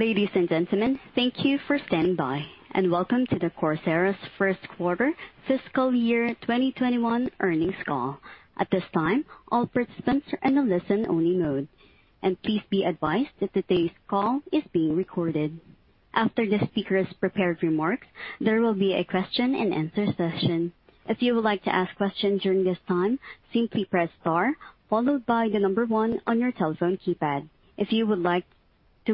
Ladies and gentlemen, thank you for standing by, and welcome to the Coursera's 1st quarter fiscal year 2021 earnings call. I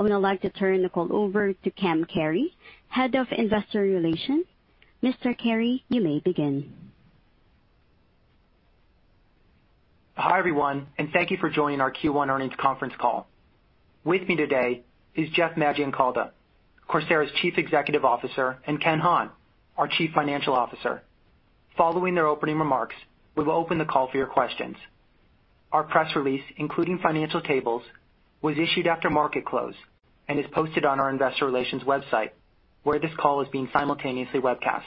would now like to turn the call over to Cam Carey, Head of Investor Relations. Mr. Carey, you may begin. Hi, everyone. Thank you for joining our Q1 earnings conference call. With me today is Jeff Maggioncalda, Coursera's Chief Executive Officer, and Ken Hahn, our Chief Financial Officer. Following their opening remarks, we will open the call for your questions. Our press release, including financial tables, was issued after market close and is posted on our investor relations website, where this call is being simultaneously webcast.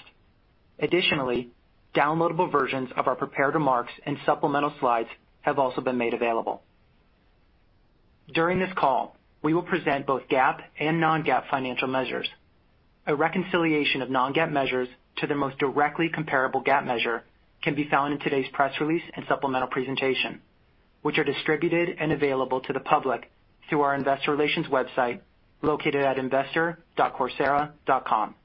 Additionally, downloadable versions of our prepared remarks and supplemental slides have also been made available. During this call, we will present both GAAP and non-GAAP financial measures. A reconciliation of non-GAAP measures to the most directly comparable GAAP measure can be found in today's press release and supplemental presentation, which are distributed and available to the public through our investor relations website located at investor.coursera.com.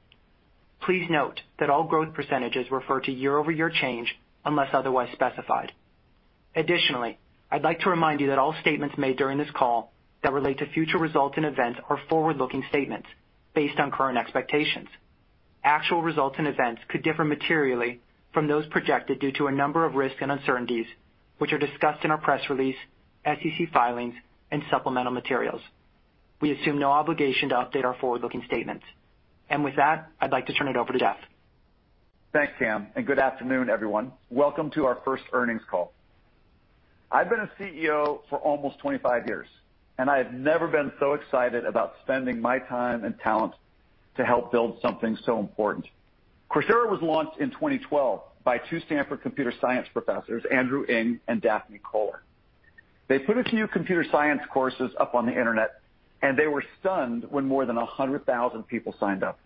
Please note that all growth percentages refer to year-over-year change unless otherwise specified. Additionally, I'd like to remind you that all statements made during this call that relate to future results and events are forward-looking statements based on current expectations. Actual results and events could differ materially from those projected due to a number of risks and uncertainties, which are discussed in our press release, SEC filings, and supplemental materials. We assume no obligation to update our forward-looking statements. With that, I'd like to turn it over to Jeff. Thanks, Cam. Good afternoon, everyone. Welcome to our first earnings call. I've been a CEO for almost 25 years, and I have never been so excited about spending my time and talent to help build something so important. Coursera was launched in 2012 by two Stanford computer science professors, Andrew Ng and Daphne Koller. They put a few computer science courses up on the internet, and they were stunned when more than 100,000 people signed up.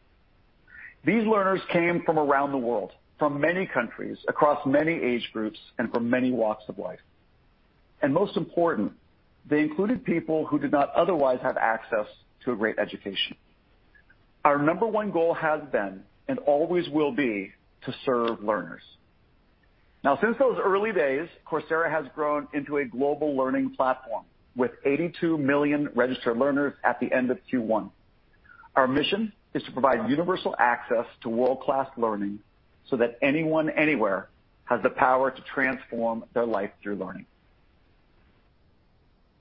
These learners came from around the world, from many countries, across many age groups, and from many walks of life. Most important, they included people who did not otherwise have access to a great education. Our number one goal has been, and always will be, to serve learners. Now, since those early days, Coursera has grown into a global learning platform with 82 million registered learners at the end of Q1. Our mission is to provide universal access to world-class learning so that anyone, anywhere, has the power to transform their life through learning.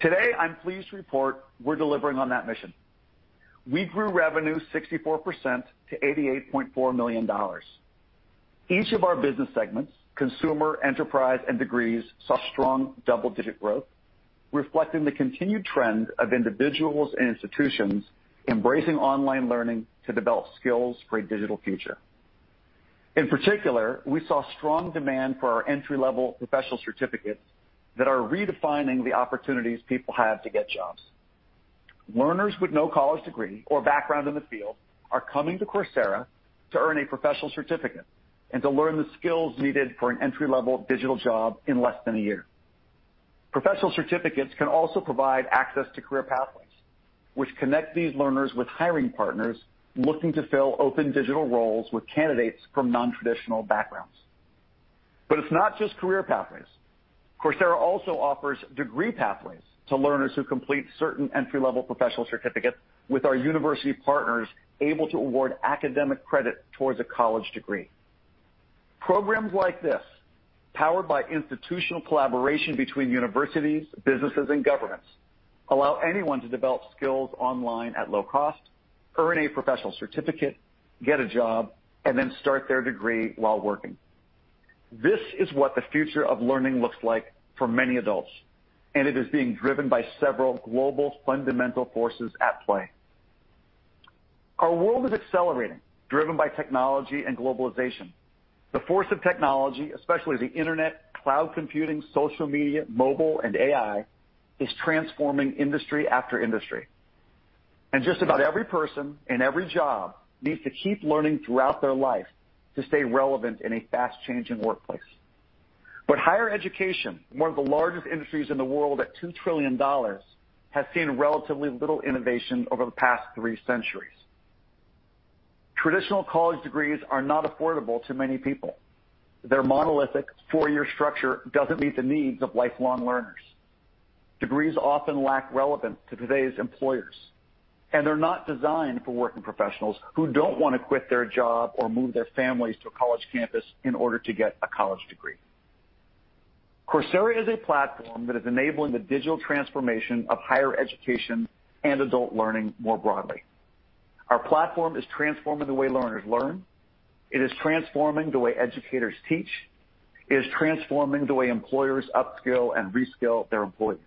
Today, I'm pleased to report we're delivering on that mission. We grew revenue 64% to $88.4 million. Each of our business segments, Consumer, Enterprise, and Degrees, saw strong double-digit growth, reflecting the continued trend of individuals and institutions embracing online learning to develop skills for a digital future. In particular, we saw strong demand for our entry-level Professional Certificates that are redefining the opportunities people have to get jobs. Learners with no college degree or background in the field are coming to Coursera to earn a Professional Certificate and to learn the skills needed for an entry-level digital job in less than a year. Professional certificates can also provide access to career pathways, which connect these learners with hiring partners looking to fill open digital roles with candidates from non-traditional backgrounds. It's not just career pathways. Coursera also offers degree pathways to learners who complete certain entry-level professional certificates with our university partners able to award academic credit towards a college degree. Programs like this, powered by institutional collaboration between universities, businesses, and governments, allow anyone to develop skills online at low cost, earn a professional certificate, get a job, and then start their degree while working. This is what the future of learning looks like for many adults, and it is being driven by several global fundamental forces at play. The force of technology, especially the internet, cloud computing, social media, mobile, and AI, is transforming industry after industry. Just about every person in every job needs to keep learning throughout their life to stay relevant in a fast-changing workplace. Higher education, one of the largest industries in the world at $2 trillion, has seen relatively little innovation over the past three centuries. Traditional college degrees are not affordable to many people. Their monolithic four-year structure doesn't meet the needs of lifelong learners. Degrees often lack relevance to today's employers, and they're not designed for working professionals who don't want to quit their job or move their families to a college campus in order to get a college degree. Coursera is a platform that is enabling the digital transformation of higher education and adult learning more broadly. Our platform is transforming the way learners learn. It is transforming the way educators teach. It is transforming the way employers upskill and reskill their employees.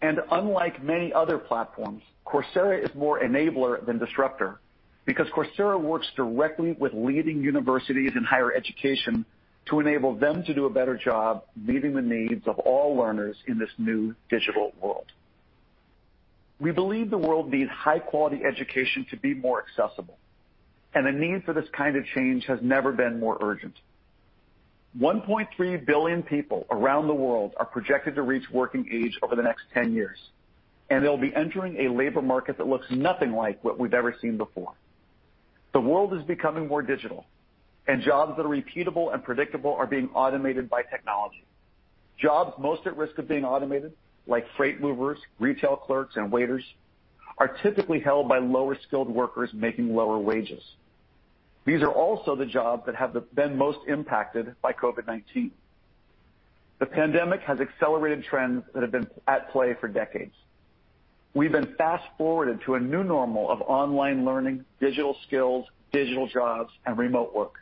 Unlike many other platforms, Coursera is more enabler than disruptor because Coursera works directly with leading universities and higher education to enable them to do a better job meeting the needs of all learners in this new digital world. We believe the world needs high-quality education to be more accessible, and the need for this kind of change has never been more urgent. 1.3 billion people around the world are projected to reach working age over the next 10 years, and they'll be entering a labor market that looks nothing like what we've ever seen before. The world is becoming more digital, and jobs that are repeatable and predictable are being automated by technology. Jobs most at risk of being automated, like freight movers, retail clerks, and waiters, are typically held by lower-skilled workers making lower wages. These are also the jobs that have been most impacted by COVID-19. The pandemic has accelerated trends that have been at play for decades. We've been fast-forwarded to a new normal of online learning, digital skills, digital jobs, and remote work.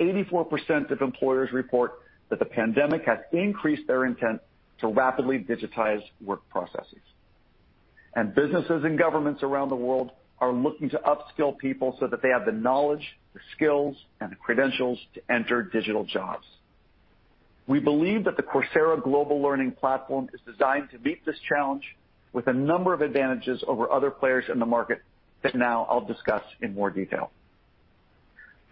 84% of employers report that the pandemic has increased their intent to rapidly digitize work processes. Businesses and governments around the world are looking to upskill people so that they have the knowledge, the skills, and the credentials to enter digital jobs. We believe that the Coursera global learning platform is designed to meet this challenge with a number of advantages over other players in the market that now I'll discuss in more detail.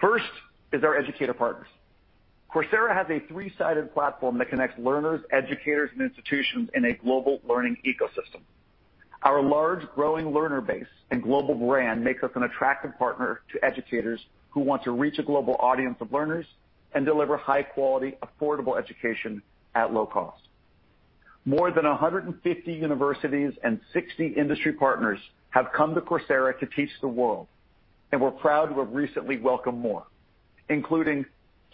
First is our educator partners. Coursera has a three-sided platform that connects learners, educators, and institutions in a global learning ecosystem. Our large growing learner base and global brand makes us an attractive partner to educators who want to reach a global audience of learners and deliver high-quality, affordable education at low cost. More than 150 universities and 60 industry partners have come to Coursera to teach the world. We're proud to have recently welcomed more, including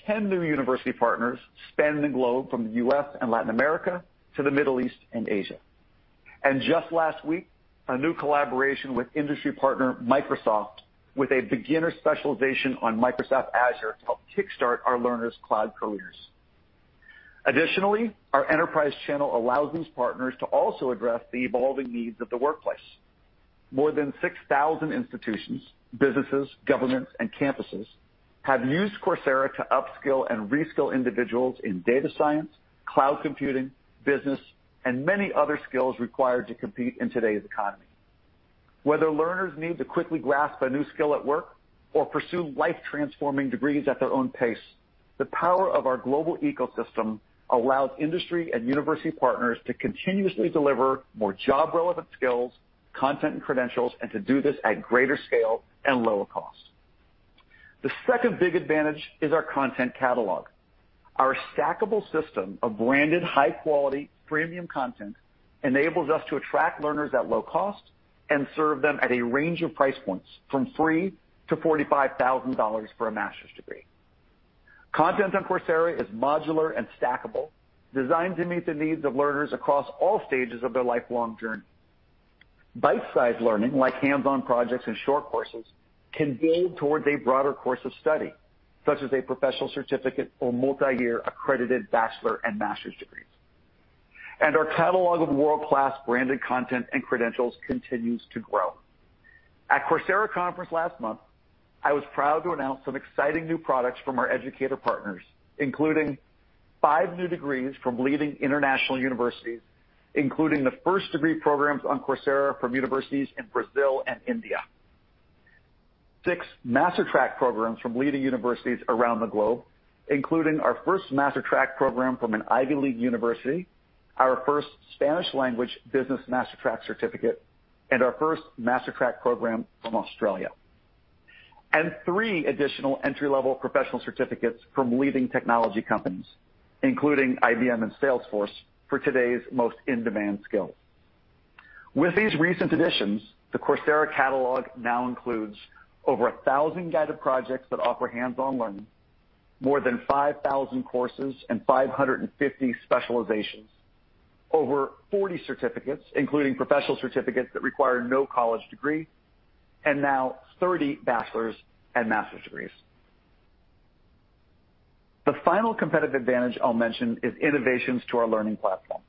10 new university partners spanning the globe from the U.S. and Latin America to the Middle East and Asia. Just last week, a new collaboration with industry partner Microsoft with a beginner specialization on Microsoft Azure to help kickstart our learners' cloud careers. Additionally, our enterprise channel allows these partners to also address the evolving needs of the workplace. More than 6,000 institutions, businesses, governments, and campuses have used Coursera to upskill and reskill individuals in data science, cloud computing, business, and many other skills required to compete in today's economy. Whether learners need to quickly grasp a new skill at work or pursue life-transforming degrees at their own pace, the power of our global ecosystem allows industry and university partners to continuously deliver more job-relevant skills, content, and credentials, and to do this at greater scale and lower cost. The second big advantage is our content catalog. Our stackable system of branded high-quality premium content enables us to attract learners at low cost and serve them at a range of price points, from free to $45,000 for a master's degree. Content on Coursera is modular and stackable, designed to meet the needs of learners across all stages of their lifelong journey. Bite-sized learning, like hands-on projects and short courses, can build towards a broader course of study, such as a professional certificate or multi-year accredited bachelor and master's degrees. Our catalog of world-class branded content and credentials continues to grow. At Coursera Conference last month, I was proud to announce some exciting new products from our educator partners, including five new degrees from leading international universities, including the first degree programs on Coursera from universities in Brazil and India. six MasterTrack programs from leading universities around the globe, including our first MasterTrack program from an Ivy League university, our first Spanish language business MasterTrack certificate, and our first MasterTrack program from Australia. And three additional entry-level professional certificates from leading technology companies, including IBM and Salesforce, for today's most in-demand skills. With these recent additions, the Coursera catalog now includes over 1,000 guided projects that offer hands-on learning. More than 5,000 courses and 550 specializations. Over 40 certificates, including professional certificates that require no college degree, and now 30 bachelor's and master's degrees. The final competitive advantage I'll mention is innovations to our learning platform.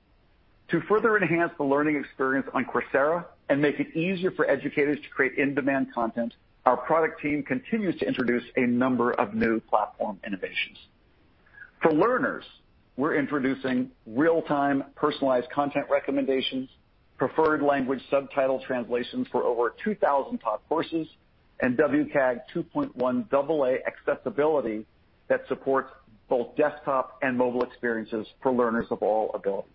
To further enhance the learning experience on Coursera and make it easier for educators to create in-demand content, our product team continues to introduce a number of new platform innovations. For learners, we're introducing real-time personalized content recommendations, preferred language subtitle translations for over 2,000 top courses, and WCAG 2.1 AA accessibility that supports both desktop and mobile experiences for learners of all abilities.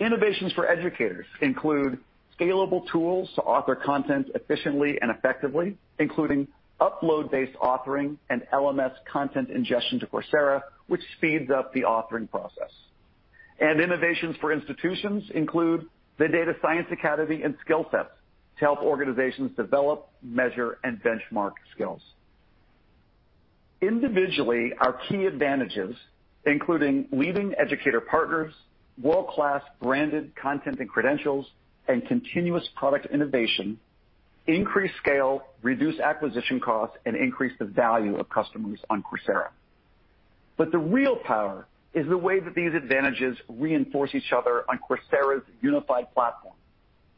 Innovations for educators include scalable tools to author content efficiently and effectively, including upload-based authoring and LMS content ingestion to Coursera, which speeds up the authoring process. Innovations for institutions include the Data Science Academy and skill sets to help organizations develop, measure, and benchmark skills. Individually, our key advantages, including leading educator partners, world-class branded content and credentials, and continuous product innovation, increase scale, reduce acquisition costs, and increase the value of customers on Coursera. The real power is the way that these advantages reinforce each other on Coursera's unified platform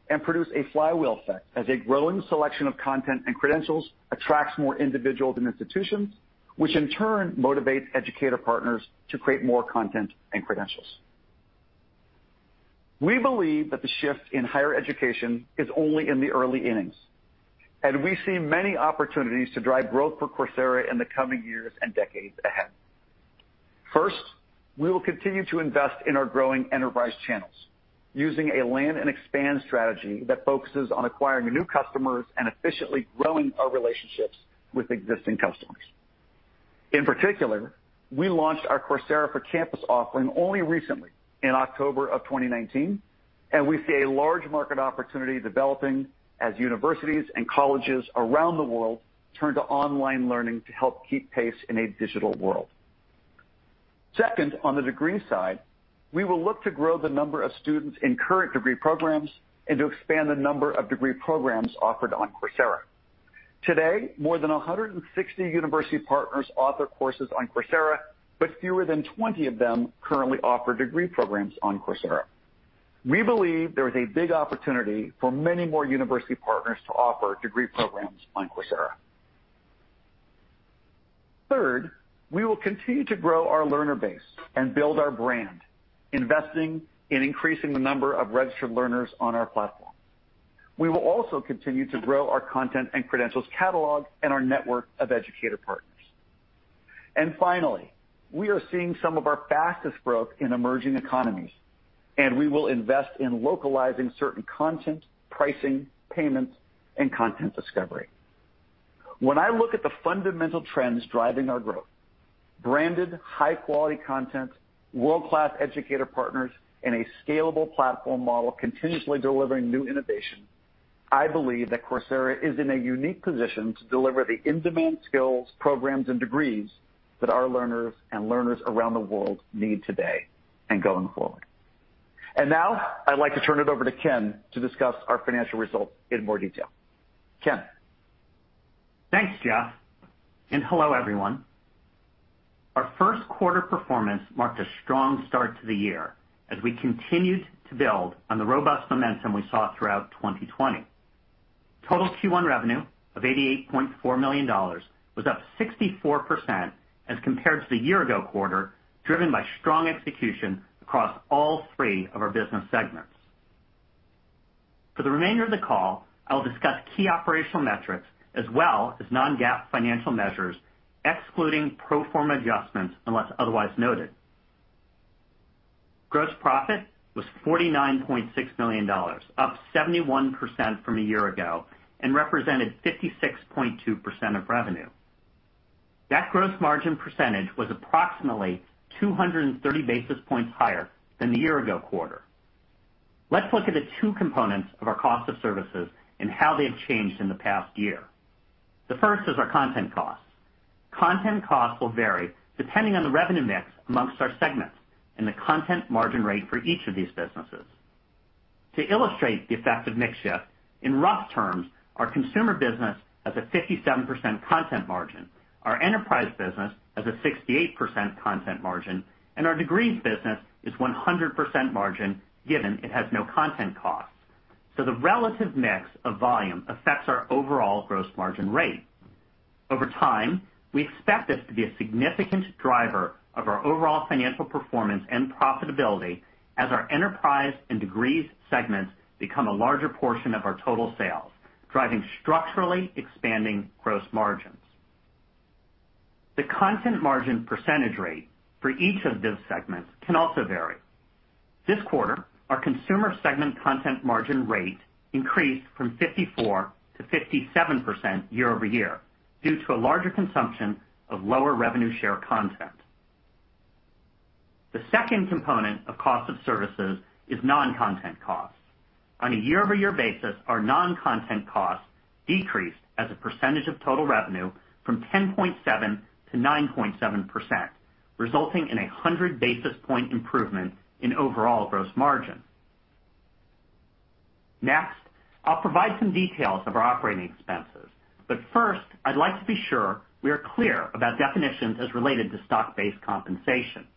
and produce a flywheel effect as a growing selection of content and credentials attracts more individuals and institutions, which in turn motivates educator partners to create more content and credentials. We believe that the shift in higher education is only in the early innings, and we see many opportunities to drive growth for Coursera in the coming years and decades ahead. First, we will continue to invest in our growing enterprise channels, using a land and expand strategy that focuses on acquiring new customers and efficiently growing our relationships with existing customers. In particular, we launched our Coursera for Campus offering only recently, in October of 2019, and we see a large market opportunity developing as universities and colleges around the world turn to online learning to help keep pace in a digital world. Second, on the degree side, we will look to grow the number of students in current degree programs and to expand the number of degree programs offered on Coursera. Today, more than 160 university partners offer courses on Coursera, but fewer than 20 of them currently offer degree programs on Coursera. We believe there is a big opportunity for many more university partners to offer degree programs on Coursera. Third, we will continue to grow our learner base and build our brand, investing in increasing the number of registered learners on our platform. We will also continue to grow our content and credentials catalog and our network of educator partners. Finally, we are seeing some of our fastest growth in emerging economies, and we will invest in localizing certain content, pricing, payments, and content discovery. When I look at the fundamental trends driving our growth, branded high-quality content, world-class educator partners, and a scalable platform model continuously delivering new innovation, I believe that Coursera is in a unique position to deliver the in-demand skills, programs, and degrees that our learners and learners around the world need today and going forward. Now, I'd like to turn it over to Ken to discuss our financial results in more detail. Ken? Thanks, Jeff, and hello, everyone. Our first quarter performance marked a strong start to the year as we continued to build on the robust momentum we saw throughout 2020. Total Q1 revenue of $88.4 million was up 64% as compared to the year ago quarter, driven by strong execution across all three of our business segments. For the remainder of the call, I will discuss key operational metrics as well as non-GAAP financial measures, excluding pro forma adjustments, unless otherwise noted. Gross profit was $49.6 million, up 71% from a year ago and represented 56.2% of revenue. That gross margin percentage was approximately 230 basis points higher than the year ago quarter. Let's look at the two components of our cost of services and how they've changed in the past year. The first is our content cost. Content cost will vary depending on the revenue mix amongst our segments and the content margin rate for each of these businesses. To illustrate the effect of mix shift, in rough terms, our Consumer business has a 57% content margin. Our Enterprise business has a 68% content margin, and our Degrees business is 100% margin, given it has no content cost. The relative mix of volume affects our overall gross margin rate. Over time, we expect this to be a significant driver of our overall financial performance and profitability as our Enterprise and Degrees segments become a larger portion of our total sales, driving structurally expanding gross margins. The content margin percentage rate for each of those segments can also vary. This quarter, our Consumer segment content margin rate increased from 54%-57% year-over-year due to a larger consumption of lower revenue share content. The second component of cost of services is non-content costs. On a year-over-year basis, our non-content costs decreased as a percentage of total revenue from 10.7%-9.7%, resulting in 100 basis point improvement in overall gross margin. Next, I'll provide some details of our operating expenses. First, I'd like to be sure we are clear about definitions as related to stock-based compensation.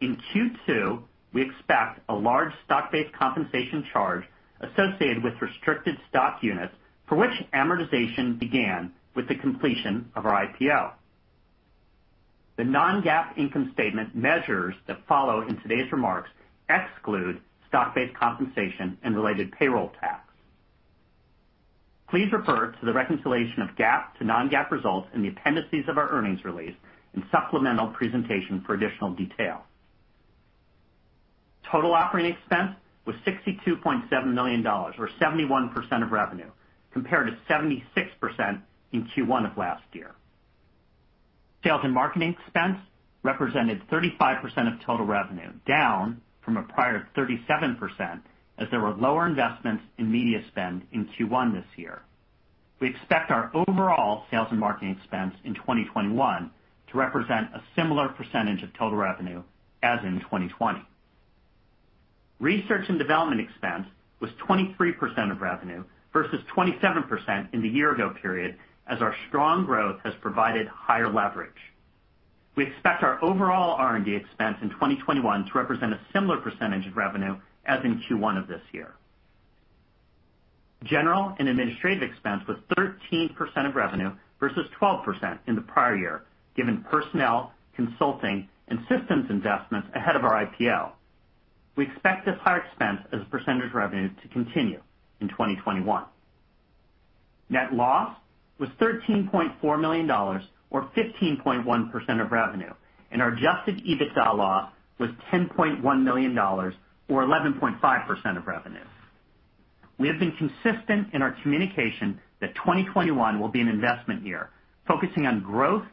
In Q2, we expect a large stock-based compensation charge associated with restricted stock units, for which amortization began with the completion of our IPO. The non-GAAP income statement measures that follow in today's remarks exclude stock-based compensation and related payroll tax. Please refer to the reconciliation of GAAP to non-GAAP results in the appendices of our earnings release and supplemental presentation for additional detail. Total operating expense was $62.7 million, or 71% of revenue, compared to 76% in Q1 of last year. Sales and marketing expense represented 35% of total revenue, down from a prior 37% as there were lower investments in media spend in Q1 this year. We expect our overall sales and marketing expense in 2021 to represent a similar percentage of total revenue as in 2020. Research and development expense was 23% of revenue, versus 27% in the year ago period, as our strong growth has provided higher leverage. We expect our overall R&D expense in 2021 to represent a similar percentage of revenue as in Q1 of this year. General and administrative expense was 13% of revenue versus 12% in the prior year, given personnel, consulting, and systems investments ahead of our IPO. We expect this higher expense as a percentage of revenue to continue in 2021. Net loss was $13.4 million, or 15.1% of revenue, and our adjusted EBITDA loss was $10.1 million, or 11.5% of revenue. We have been consistent in our communication that 2021 will be an investment year, focusing on growth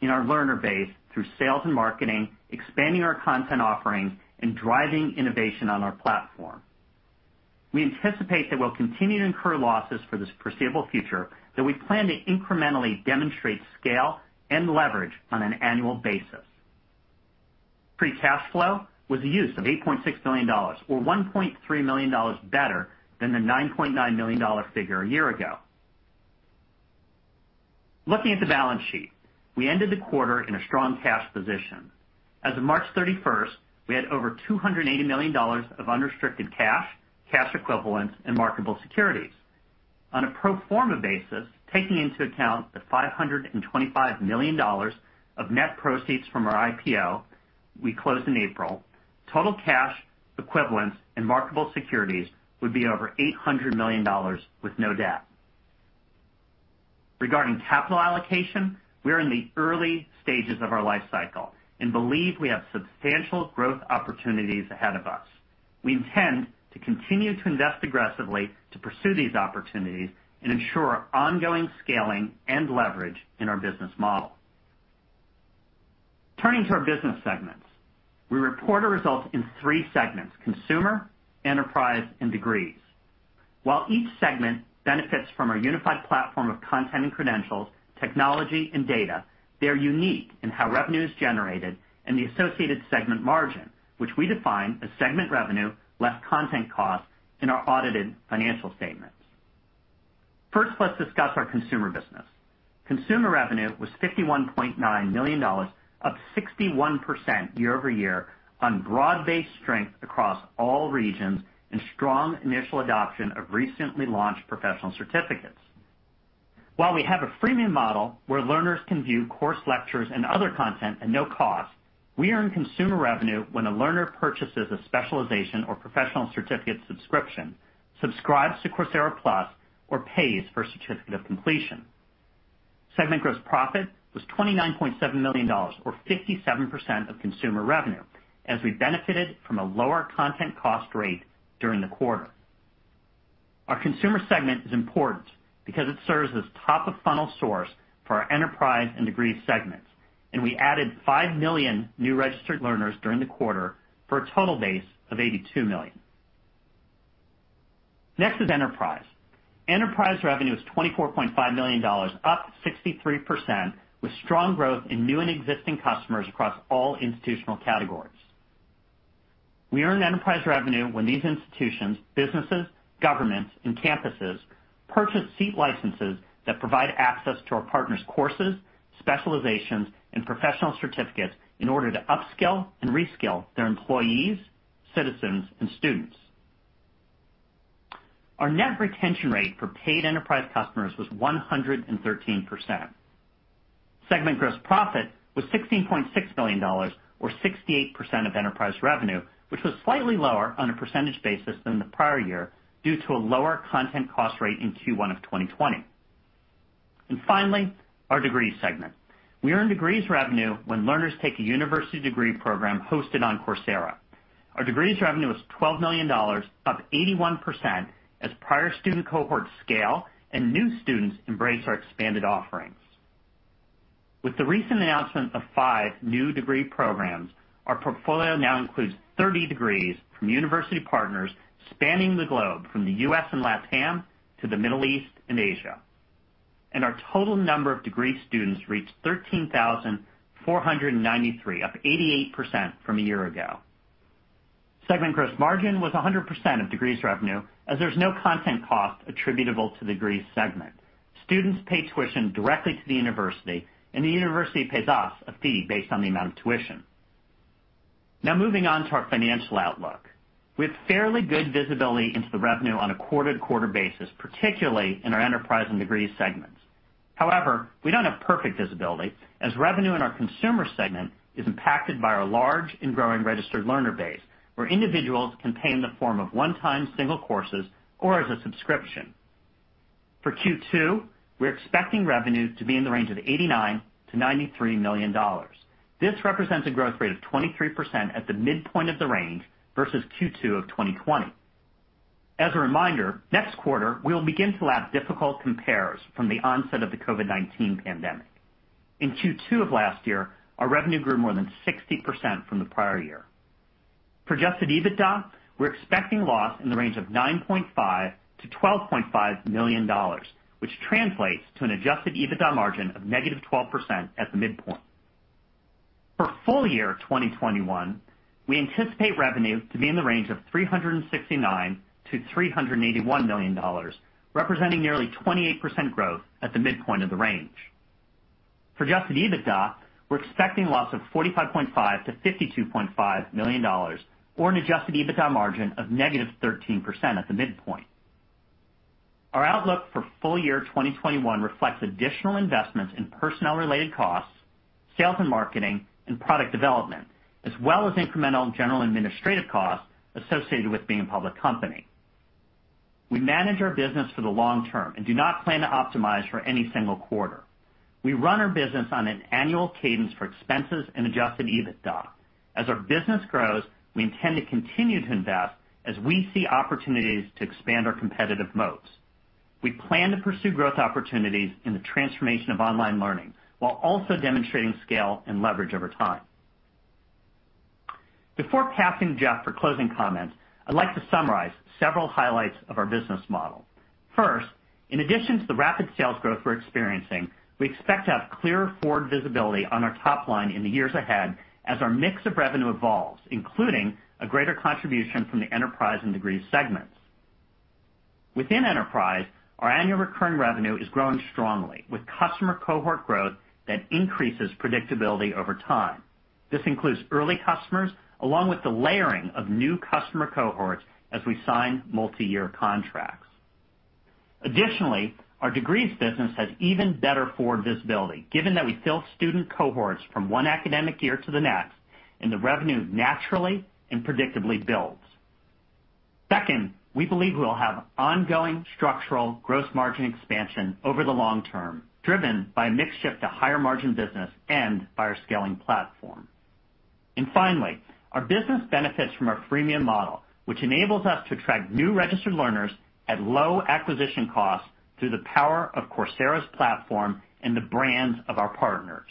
in our learner base through sales and marketing, expanding our content offerings, and driving innovation on our platform. We anticipate that we'll continue to incur losses for this foreseeable future, that we plan to incrementally demonstrate scale and leverage on an annual basis. Free cash flow was the use of $8.6 million, or $1.3 million better than the $9.9 million figure a year ago. Looking at the balance sheet, we ended the quarter in a strong cash position. As of March 31st, we had over $280 million of unrestricted cash equivalents, and marketable securities. On a pro forma basis, taking into account the $525 million of net proceeds from our IPO we closed in April, total cash equivalents and marketable securities would be over $800 million with no debt. Regarding capital allocation, we are in the early stages of our life cycle and believe we have substantial growth opportunities ahead of us. We intend to continue to invest aggressively to pursue these opportunities and ensure ongoing scaling and leverage in our business model. Turning to our business segments. We report our results in three segments: Consumer, Enterprise, and Degrees. While each segment benefits from our unified platform of content and credentials, technology, and data, they're unique in how revenue is generated and the associated segment margin, which we define as segment revenue less content cost in our audited financial statements. First, let's discuss our Consumer business. Consumer revenue was $51.9 million, up 61% year-over-year on broad-based strength across all regions and strong initial adoption of recently launched Professional Certificates. While we have a freemium model where learners can view course lectures and other content at no cost, we earn Consumer revenue when a learner purchases a specialization or professional certificate subscription, subscribes to Coursera Plus, or pays for a certificate of completion. Segment gross profit was $29.7 million, or 57% of Consumer revenue, as we benefited from a lower content cost rate during the quarter. Our Consumer segment is important because it serves as top of funnel source for our Enterprise and Degrees segments, and we added 5 million new registered learners during the quarter for a total base of 82 million. Next is Enterprise. Enterprise revenue is $24.5 million, up 63%, with strong growth in new and existing customers across all institutional categories. We earn enterprise revenue when these institutions, businesses, governments, and campuses purchase seat licenses that provide access to our partners' courses, specializations, and professional certificates in order to upskill and reskill their employees, citizens, and students. Our net retention rate for paid enterprise customers was 113%. Segment gross profit was $16.6 million, or 68% of enterprise revenue, which was slightly lower on a percentage basis than the prior year due to a lower content cost rate in Q1 of 2020. Finally, our degrees segment. We earn degrees revenue when learners take a university degree program hosted on Coursera. Our degrees revenue was $12 million, up 81%, as prior student cohorts scale and new students embrace our expanded offerings. With the recent announcement of five new degree programs, our portfolio now includes 30 degrees from university partners spanning the globe from the U.S. and LATAM to the Middle East and Asia. Our total number of degree students reached 13,493, up 88% from a year ago. Segment gross margin was 100% of Degrees revenue, as there's no content cost attributable to Degrees segment. Students pay tuition directly to the university, and the university pays us a fee based on the amount of tuition. Moving on to our financial outlook. We have fairly good visibility into the revenue on a quarter-to-quarter basis, particularly in our Enterprise and Degrees segments. However, we don't have perfect visibility, as revenue in our Consumer segment is impacted by our large and growing registered learner base, where individuals can pay in the form of one-time single courses or as a subscription. For Q2, we're expecting revenue to be in the range of $89 million-$93 million. This represents a growth rate of 23% at the midpoint of the range versus Q2 of 2020. As a reminder, next quarter, we will begin to lap difficult compares from the onset of the COVID-19 pandemic. In Q2 of last year, our revenue grew more than 60% from the prior year. For adjusted EBITDA, we're expecting loss in the range of $9.5 million-$12.5 million, which translates to an adjusted EBITDA margin of negative 12% at the midpoint. For full year 2021, we anticipate revenue to be in the range of $369 million-$381 million, representing nearly 28% growth at the midpoint of the range. For adjusted EBITDA, we're expecting loss of $45.5 million-$52.5 million, or an adjusted EBITDA margin of negative 13% at the midpoint. Our outlook for full year 2021 reflects additional investments in personnel-related costs, sales and marketing, and product development, as well as incremental general administrative costs associated with being a public company. We manage our business for the long term and do not plan to optimize for any single quarter. We run our business on an annual cadence for expenses and adjusted EBITDA. As our business grows, we intend to continue to invest as we see opportunities to expand our competitive moats. We plan to pursue growth opportunities in the transformation of online learning while also demonstrating scale and leverage over time. Before passing to Jeff for closing comments, I'd like to summarize several highlights of our business model. First, in addition to the rapid sales growth we're experiencing, we expect to have clearer forward visibility on our top line in the years ahead as our mix of revenue evolves, including a greater contribution from the enterprise and degrees segments. Within enterprise, our annual recurring revenue is growing strongly with customer cohort growth that increases predictability over time. This includes early customers along with the layering of new customer cohorts as we sign multi-year contracts. Additionally, our degrees business has even better forward visibility, given that we fill student cohorts from one academic year to the next and the revenue naturally and predictably builds. Second, we believe we'll have ongoing structural gross margin expansion over the long term, driven by a mix shift to higher margin business and by our scaling platform. Finally, our business benefits from our freemium model, which enables us to attract new registered learners at low acquisition costs through the power of Coursera's platform and the brands of our partners.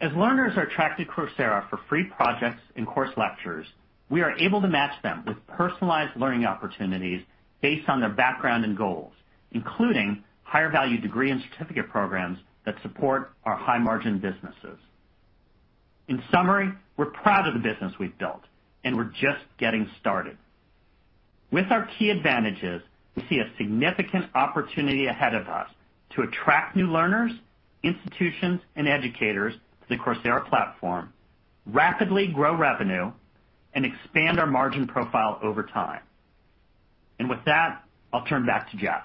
As learners are attracted to Coursera for free projects and course lectures, we are able to match them with personalized learning opportunities based on their background and goals, including higher value degree and certificate programs that support our high margin businesses. In summary, we're proud of the business we've built, and we're just getting started. With our key advantages, we see a significant opportunity ahead of us to attract new learners, institutions, and educators to the Coursera platform, rapidly grow revenue, and expand our margin profile over time. With that, I'll turn back to Jeff.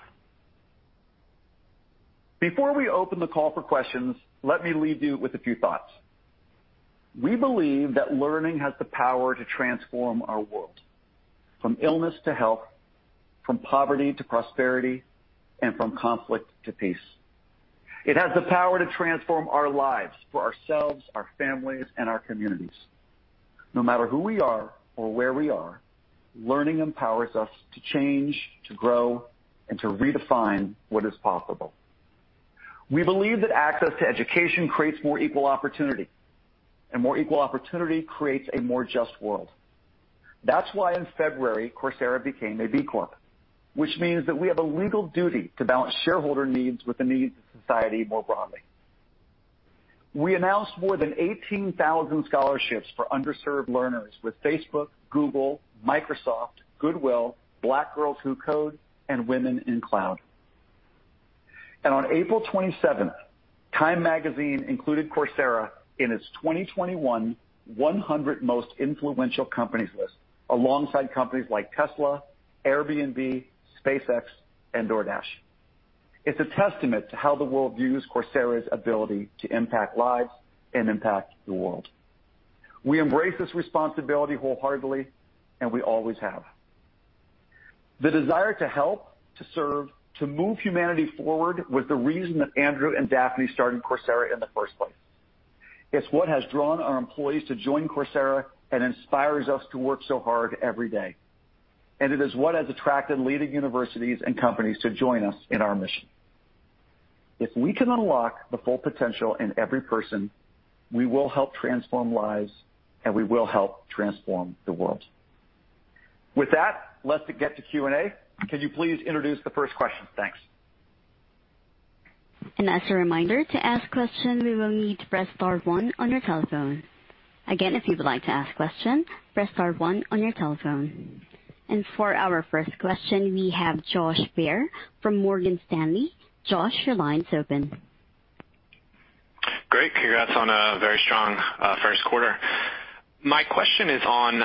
Before we open the call for questions, let me leave you with a few thoughts. We believe that learning has the power to transform our world from illness to health, from poverty to prosperity, and from conflict to peace. It has the power to transform our lives for ourselves, our families, and our communities. No matter who we are or where we are, learning empowers us to change, to grow, and to redefine what is possible. We believe that access to education creates more equal opportunity, more equal opportunity creates a more just world. That's why in February, Coursera became a B Corp, which means that we have a legal duty to balance shareholder needs with the needs of society more broadly. We announced more than 18,000 scholarships for underserved learners with Facebook, Google, Microsoft, Goodwill, Black Girls CODE, and Women in Cloud. On April 27th, TIME included Coursera in its 2021 100 Most Influential Companies list, alongside companies like Tesla, Airbnb, SpaceX, and DoorDash. It's a testament to how the world views Coursera's ability to impact lives and impact the world. We embrace this responsibility wholeheartedly, and we always have. The desire to help, to serve, to move humanity forward was the reason that Andrew and Daphne started Coursera in the first place. It's what has drawn our employees to join Coursera and inspires us to work so hard every day. It is what has attracted leading universities and companies to join us in our mission. If we can unlock the full potential in every person, we will help transform lives, and we will help transform the world. With that, let's get to Q&A. Could you please introduce the first question? Thanks. As a reminder, to ask a question, you will need to press star one on your telephone. Again, if you would like to ask a question, press star one on your telephone. For our first question, we have Josh Baer from Morgan Stanley. Josh, your line's open. Great. Congrats on a very strong first quarter. My question is on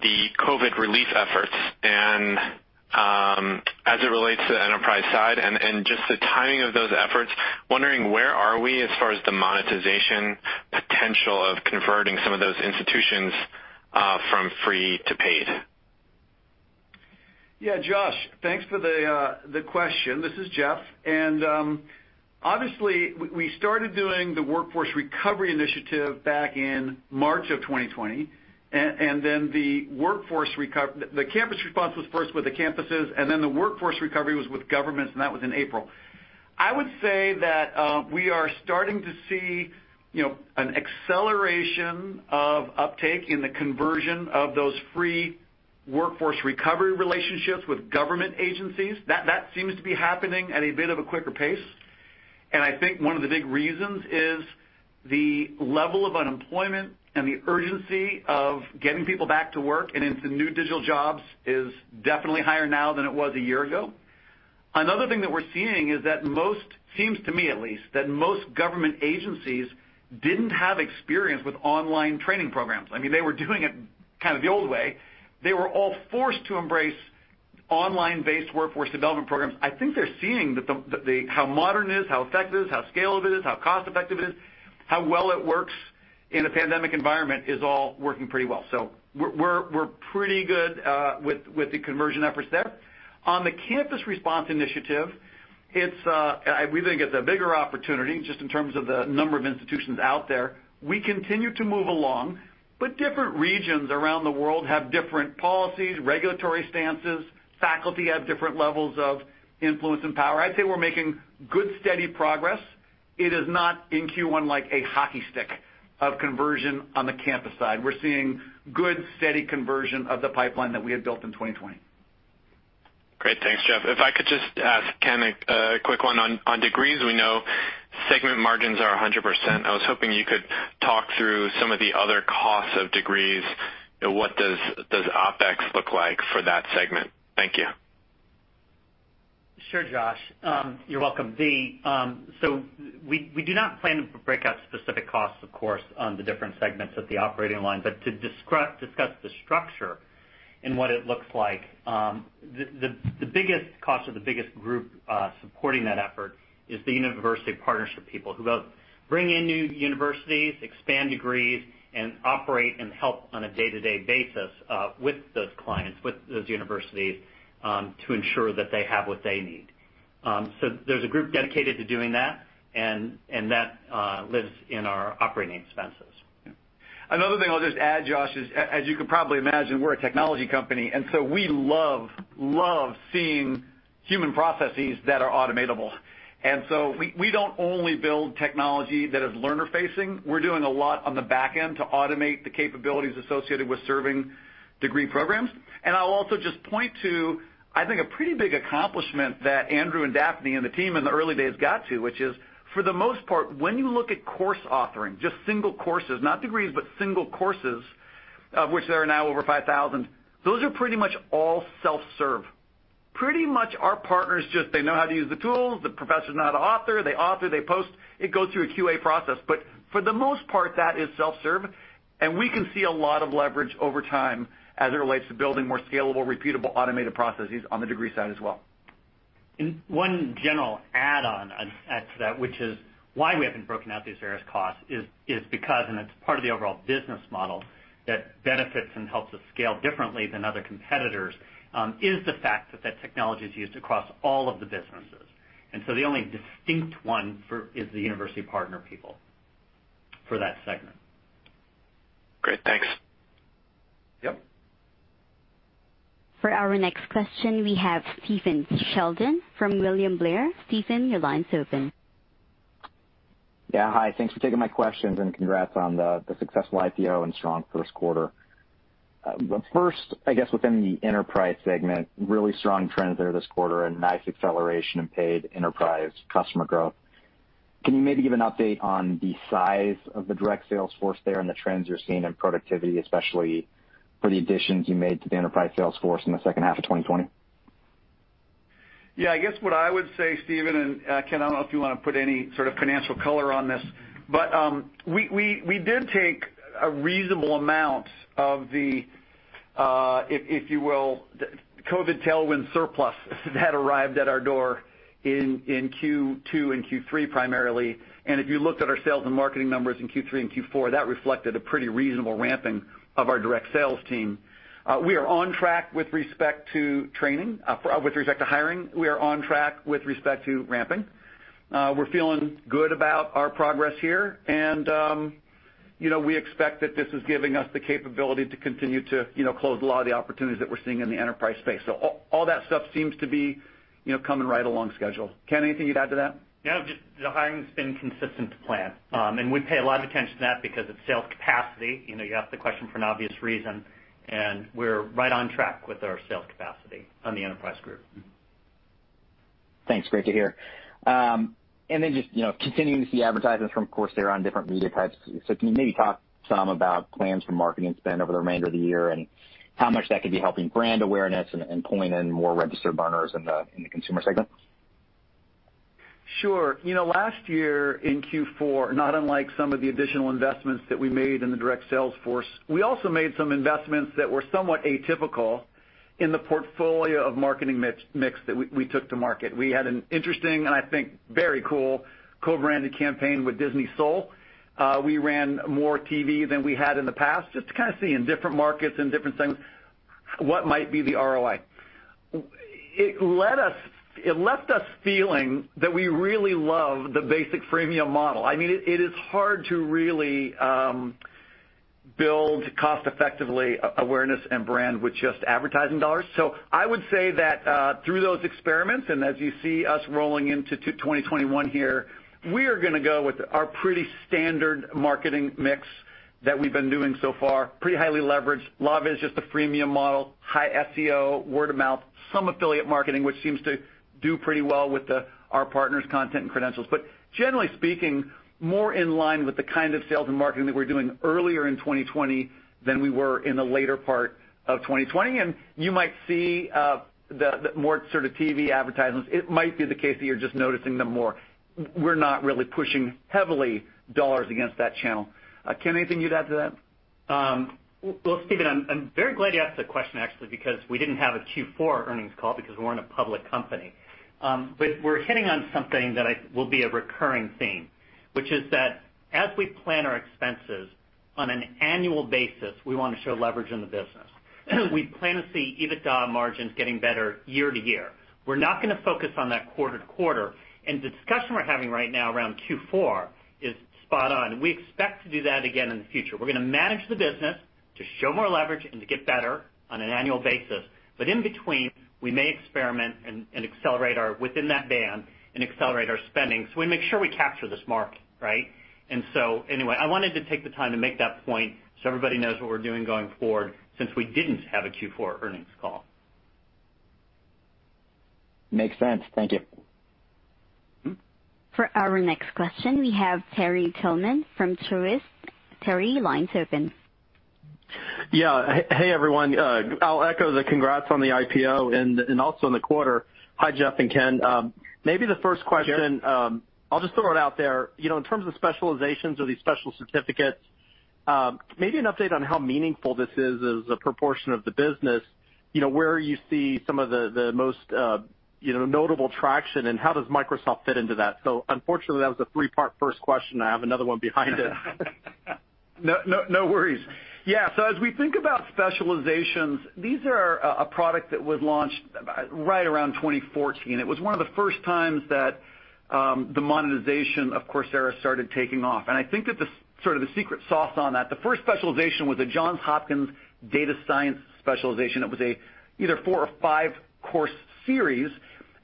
the COVID relief efforts and as it relates to the enterprise side and just the timing of those efforts. Wondering where are we as far as the monetization potential of converting some of those institutions from free to paid? Yeah, Josh. Thanks for the question. This is Jeff. Obviously, we started doing the Workforce Recovery Initiative back in March of 2020. The campus response was first with the campuses, then the workforce recovery was with governments, that was in April. I would say that we are starting to see an acceleration of uptake in the conversion of those free Workforce Recovery relationships with government agencies. That seems to be happening at a bit of a quicker pace, I think one of the big reasons is the level of unemployment and the urgency of getting people back to work and into new digital jobs is definitely higher now than it was a year ago. Another thing that we're seeing is that most, seems to me at least, that most government agencies didn't have experience with online training programs. They were doing it the old way. They were all forced to embrace online-based workforce development programs. I think they're seeing how modern it is, how effective it is, how scalable it is, how cost-effective it is, how well it works in a pandemic environment, is all working pretty well. We're pretty good with the conversion efforts there. On the Campus Response Initiative, we think it's a bigger opportunity just in terms of the number of institutions out there. We continue to move along, different regions around the world have different policies, regulatory stances. Faculty have different levels of influence and power. I'd say we're making good, steady progress. It is not in Q1 like a hockey stick of conversion on the campus side. We're seeing good, steady conversion of the pipeline that we had built in 2020. Great. Thanks, Jeff. If I could just ask Ken a quick one on Degrees. We know segment margins are 100%. I was hoping you could talk through some of the other costs of Degrees. What does OpEx look like for that segment? Thank you. Sure, Josh. You're welcome. We do not plan to break out specific costs, of course, on the different segments at the operating line. To discuss the structure and what it looks like, the biggest cost or the biggest group supporting that effort is the university partnership people who both bring in new universities, expand degrees, and operate and help on a day-to-day basis with those clients, with those universities, to ensure that they have what they need. There's a group dedicated to doing that, and that lives in our operating expenses. Another thing I'll just add, Josh, is as you could probably imagine, we're a technology company. So we love seeing human processes that are automatable. We don't only build technology that is learner-facing. We're doing a lot on the back end to automate the capabilities associated with serving degree programs. I'll also just point to, I think, a pretty big accomplishment that Andrew and Daphne and the team in the early days got to, which is, for the most part, when you look at course offering, just single courses, not degrees, but single courses, of which there are now over 5,000, those are pretty much all self-serve. Pretty much our partners just they know how to use the tools. The professors know how to author. They author, they post, it goes through a QA process. For the most part, that is self-serve, and we can see a lot of leverage over time as it relates to building more scalable, repeatable, automated processes on the degree side as well. One general add-on to that, which is why we haven't broken out these various costs is because it's part of the overall business model that benefits and helps us scale differently than other competitors, is the fact that that technology is used across all of the businesses. The only distinct one is the university partner people for that segment. Great. Thanks. Yep. For our next question, we have Stephen Sheldon from William Blair. Stephen, your line's open. Hi. Thanks for taking my questions and congrats on the successful IPO and strong first quarter. First, I guess within the enterprise segment, really strong trends there this quarter and nice acceleration in paid enterprise customer growth. Can you maybe give an update on the size of the direct sales force there and the trends you're seeing in productivity, especially for the additions you made to the enterprise sales force in the second half of 2020? Yeah, I guess what I would say, Stephen, and Ken, I don't know if you want to put any sort of financial color on this, we did take a reasonable amount of the, if you will, COVID tailwind surplus that arrived at our door in Q2 and Q3 primarily. If you looked at our sales and marketing numbers in Q3 and Q4, that reflected a pretty reasonable ramping of our direct sales team. We are on track with respect to hiring. We are on track with respect to ramping. We're feeling good about our progress here, and we expect that this is giving us the capability to continue to close a lot of the opportunities that we're seeing in the enterprise space. All that stuff seems to be coming right along schedule. Ken, anything you'd add to that? No, the hiring's been consistent to plan. We pay a lot of attention to that because it's sales capacity. You asked the question for an obvious reason, we're right on track with our sales capacity on the enterprise group. Thanks. Great to hear. Just continuing to see advertisements from Coursera on different media types. Can you maybe talk some about plans for marketing spend over the remainder of the year and how much that could be helping brand awareness and pulling in more registered learners in the consumer segment? Sure. Last year in Q4, not unlike some of the additional investments that we made in the direct sales force, we also made some investments that were somewhat atypical in the portfolio of marketing mix that we took to market. We had an interesting, and I think very cool, co-branded campaign with Disney Soul. We ran more TV than we had in the past just to see in different markets and different segments what might be the ROI. It left us feeling that we really love the basic freemium model. It is hard to really build cost-effectively awareness and brand with just advertising dollars. I would say that through those experiments, and as you see us rolling into 2021 here, we are going to go with our pretty standard marketing mix that we've been doing so far. Pretty highly leveraged. Lava is just a freemium model, high SEO, word-of-mouth, some affiliate marketing, which seems to do pretty well with our partners' content and credentials. Generally speaking, more in line with the kind of sales and marketing that we're doing earlier in 2020 than we were in the later part of 2020. You might see more TV advertisements. It might be the case that you're just noticing them more. We're not really pushing heavily dollars against that channel. Ken, anything you'd add to that? Well, Stephen, I'm very glad you asked that question actually, because we didn't have a Q4 earnings call because we weren't a public company. We're hitting on something that will be a recurring theme, which is that as we plan our expenses on an annual basis, we want to show leverage in the business. We plan to see EBITDA margins getting better year to year. We're not going to focus on that quarter to quarter. The discussion we're having right now around Q4 is spot on. We expect to do that again in the future. We're going to manage the business to show more leverage and to get better on an annual basis. In between, we may experiment and, within that band, accelerate our spending so we make sure we capture this market. Right? Anyway, I wanted to take the time to make that point so everybody knows what we're doing going forward, since we didn't have a Q4 earnings call. Makes sense. Thank you. For our next question, we have Terry Tillman from Truist. Terry, line's open. Yeah. Hey, everyone. I'll echo the congrats on the IPO and also on the quarter. Hi, Jeff and Ken. The first question, I'll just throw it out there. In terms of specializations or these special certificates, maybe an update on how meaningful this is as a proportion of the business. Where you see some of the most notable traction, how does Microsoft fit into that? Unfortunately, that was a three-part first question. I have another one behind it. No worries. Yeah. As we think about specializations, these are a product that was launched right around 2014. It was one of the first times that the monetization of Coursera started taking off. I think that the sort of the secret sauce on that, the first specialization was a Johns Hopkins data science specialization. It was either a four or five-course series.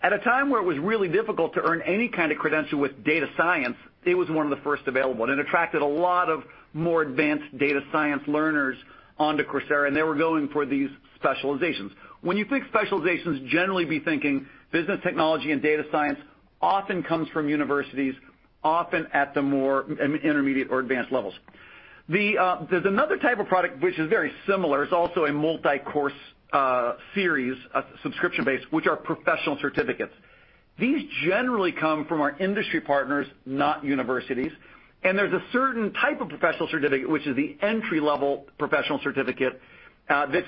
At a time where it was really difficult to earn any kind of credential with data science, it was one of the first available, and it attracted a lot of more advanced data science learners onto Coursera, and they were going for these specializations. When you think specializations, generally be thinking business technology and data science often comes from universities, often at the more intermediate or advanced levels. There's another type of product which is very similar. It's also a multi-course series, subscription-based, which are professional certificates. These generally come from our industry partners, not universities. There's a certain type of professional certificate, which is the entry-level professional certificate.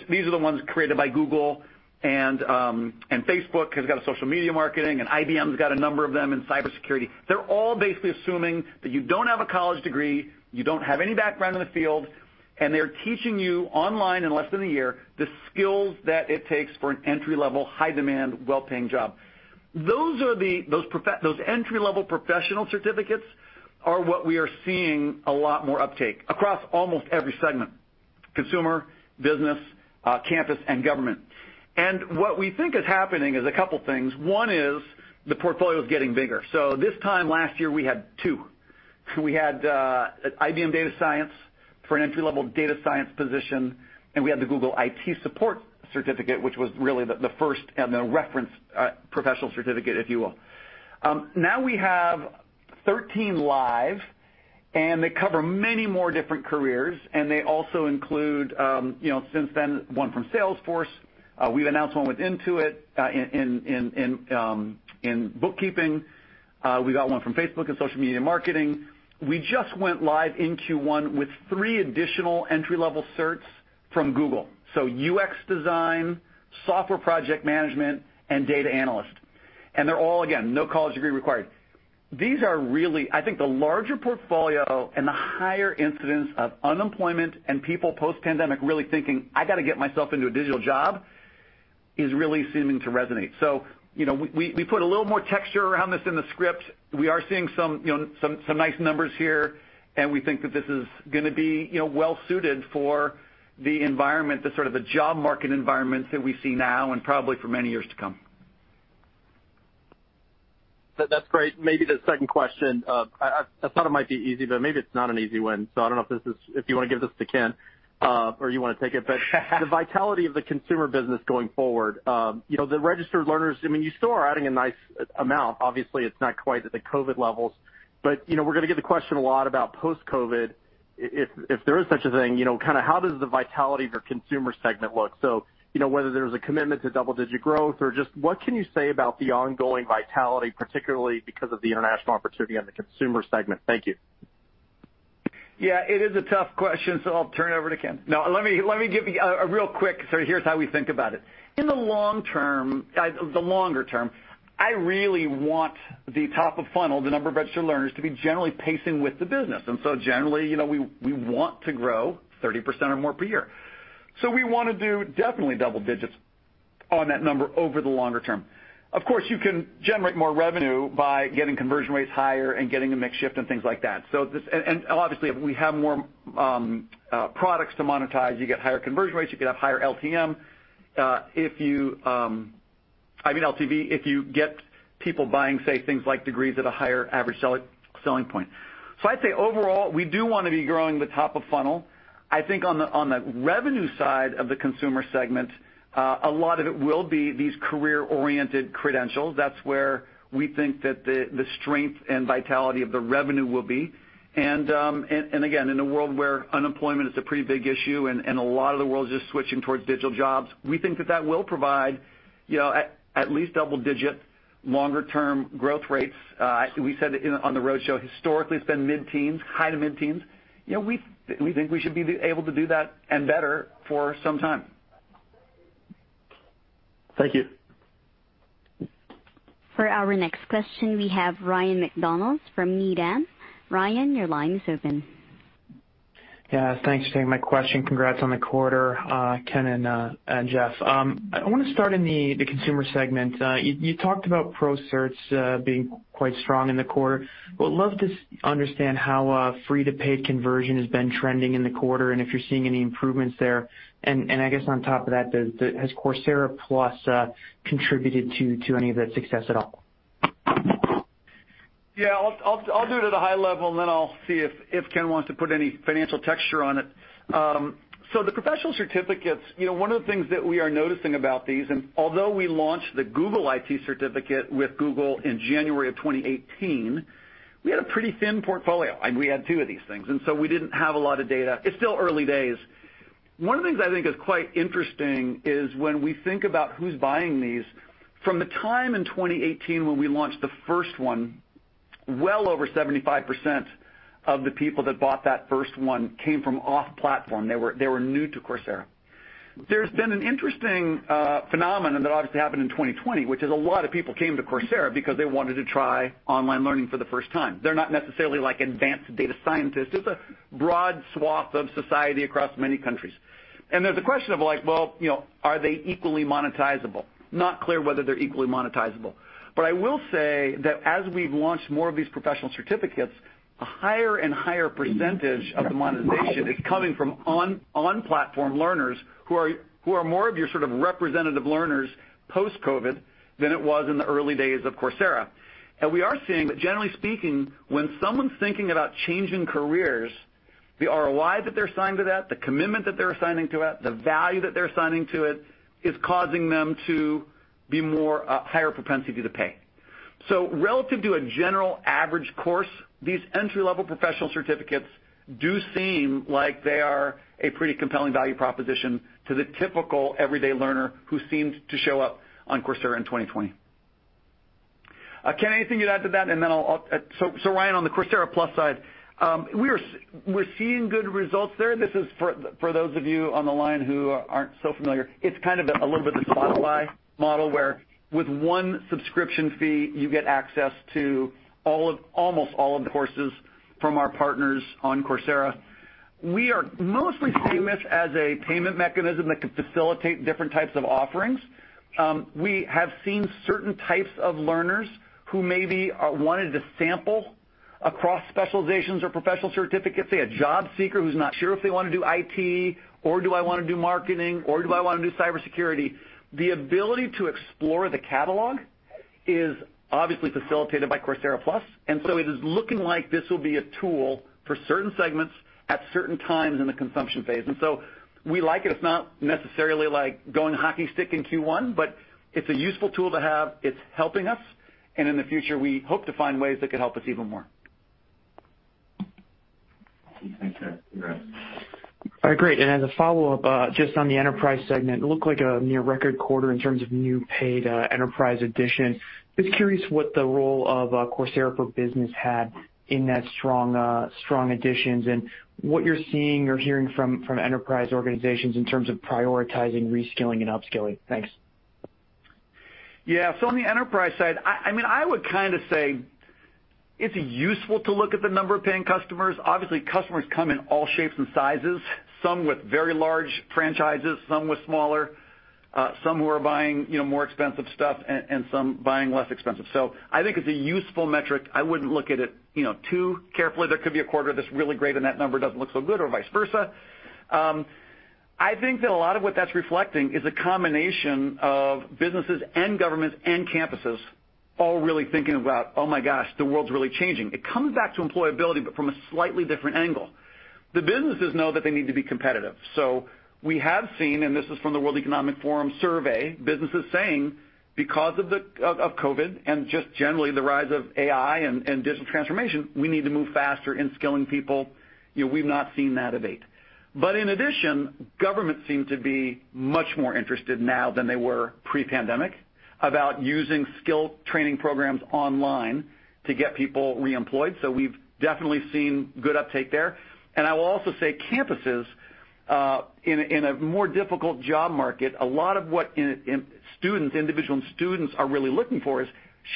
These are the ones created by Google and Facebook has got a social media marketing, and IBM's got a number of them in cybersecurity. They're all basically assuming that you don't have a college degree, you don't have any background in the field, and they're teaching you online in less than one year, the skills that it takes for an entry-level, high-demand, well-paying job. Those entry-level professional certificates are what we are seeing a lot more uptake across almost every segment: consumer, business, campus, and government. What we think is happening is a couple things. One is the portfolio is getting bigger. This time last year, we had two. We had IBM Data Science for an entry-level data science position, and we had the Google IT Support certificate, which was really the first and the reference professional certificate, if you will. Now we have 13 live, and they cover many more different careers, and they also include, since then, one from Salesforce. We've announced one with Intuit in bookkeeping. We got one from Facebook in social media marketing. We just went live in Q1 with three additional entry-level certs from Google, UX design, software project management, and data analyst. They're all, again, no college degree required. I think the larger portfolio and the higher incidence of unemployment and people post-pandemic really thinking, "I got to get myself into a digital job," is really seeming to resonate. We put a little more texture around this in the script. We are seeing some nice numbers here, and we think that this is going to be well-suited for the environment, the job market environments that we see now and probably for many years to come. That's great. Maybe the second question. I thought it might be easy, but maybe it's not an easy one. I don't know if you want to give this to Ken or you want to take it. The vitality of the consumer business going forward. The registered learners, you still are adding a nice amount. Obviously, it's not quite at the COVID-19 levels, but we're going to get the question a lot about post-COVID-19, if there is such a thing. How does the vitality of your consumer segment look? Whether there's a commitment to double-digit growth or just what can you say about the ongoing vitality, particularly because of the international opportunity on the consumer segment? Thank you. Yeah. It is a tough question, so I'll turn it over to Ken. No. Let me give you a real quick, so here's how we think about it. In the longer term, I really want the top of funnel, the number of registered learners, to be generally pacing with the business. Generally, we want to grow 30% or more per year. We want to do definitely double digits on that number over the longer term. Of course, you can generate more revenue by getting conversion rates higher and getting the mix shift and things like that. Obviously, if we have more products to monetize, you get higher conversion rates, you could have higher LTV. I mean LTV, if you get people buying, say, things like degrees at a higher average selling point. I'd say overall, we do want to be growing the top of funnel. I think on the revenue side of the consumer segment, a lot of it will be these career-oriented credentials. That's where we think that the strength and vitality of the revenue will be. Again, in a world where unemployment is a pretty big issue and a lot of the world's just switching towards digital jobs, we think that that will provide at least double-digit longer-term growth rates. We said on the roadshow, historically it's been mid-teens, high to mid-teens. We think we should be able to do that and better for some time. Thank you. For our next question, we have Ryan MacDonald from Needham. Ryan, your line is open. Yeah. Thanks for taking my question. Congrats on the quarter, Ken and Jeff. I want to start in the consumer segment. You talked about Pro Certs being quite strong in the quarter. Would love to understand how free-to-paid conversion has been trending in the quarter, and if you're seeing any improvements there. I guess on top of that, has Coursera Plus contributed to any of that success at all? I'll do it at a high level, and then I'll see if Ken wants to put any financial texture on it. The professional certificates, one of the things that we are noticing about these, and although we launched the Google IT Support with Google in January 2018, we had a pretty thin portfolio. We had two of these things, we didn't have a lot of data. It's still early days. One of the things I think is quite interesting is when we think about who's buying these. From the time in 2018 when we launched the first one, well over 75% of the people that bought that first one came from off-platform. They were new to Coursera. There's been an interesting phenomenon that obviously happened in 2020, which is a lot of people came to Coursera because they wanted to try online learning for the first time. They're not necessarily advanced data scientists. It's a broad swath of society across many countries. There's a question of, well, are they equally monetizable? Not clear whether they're equally monetizable. I will say that as we've launched more of these professional certificates, a higher and higher % of the monetization is coming from on-platform learners who are more of your sort of representative learners post-COVID than it was in the early days of Coursera. We are seeing that generally speaking, when someone's thinking about changing careers, the ROI that they're assigning to that, the commitment that they're assigning to it, the value that they're assigning to it is causing them to be more higher propensity to pay. Relative to a general average course, these entry-level professional certificates do seem like they are a pretty compelling value proposition to the typical everyday learner who seemed to show up on Coursera in 2020. Ken, anything you'd add to that? Ryan, on the Coursera Plus side, we're seeing good results there. This is for those of you on the line who aren't so familiar. It's kind of a little bit the Spotify model, where with one subscription fee, you get access to almost all of the courses from our partners on Coursera. We are mostly seeing this as a payment mechanism that can facilitate different types of offerings. We have seen certain types of learners who maybe wanted to sample across specializations or professional certificates. Say a job seeker who's not sure if they want to do IT, or do I want to do marketing, or do I want to do cybersecurity? The ability to explore the catalog is obviously facilitated by Coursera Plus, and so it is looking like this will be a tool for certain segments at certain times in the consumption phase. We like it. It's not necessarily going hockey stick in Q1, but it's a useful tool to have. It's helping us, and in the future, we hope to find ways that could help us even more. All right, great. As a follow-up, just on the enterprise segment, it looked like a near record quarter in terms of new paid enterprise addition. Just curious what the role of Coursera for Business had in that strong additions and what you're seeing or hearing from enterprise organizations in terms of prioritizing reskilling and upskilling. Thanks. On the enterprise side, I would kind of say it's useful to look at the number of paying customers. Obviously, customers come in all shapes and sizes, some with very large franchises, some with smaller, some who are buying more expensive stuff, and some buying less expensive. I think it's a useful metric. I wouldn't look at it too carefully. There could be a quarter that's really great and that number doesn't look so good, or vice versa. I think that a lot of what that's reflecting is a combination of businesses and governments and campuses all really thinking about, "Oh my gosh, the world's really changing." It comes back to employability, but from a slightly different angle. The businesses know that they need to be competitive. We have seen, and this is from the World Economic Forum survey, businesses saying because of COVID and just generally the rise of AI and digital transformation, we need to move faster in skilling people. We've not seen that abate. In addition, governments seem to be much more interested now than they were pre-pandemic about using skill training programs online to get people reemployed. We've definitely seen good uptake there. I will also say campuses, in a more difficult job market, a lot of what individual students are really looking for is,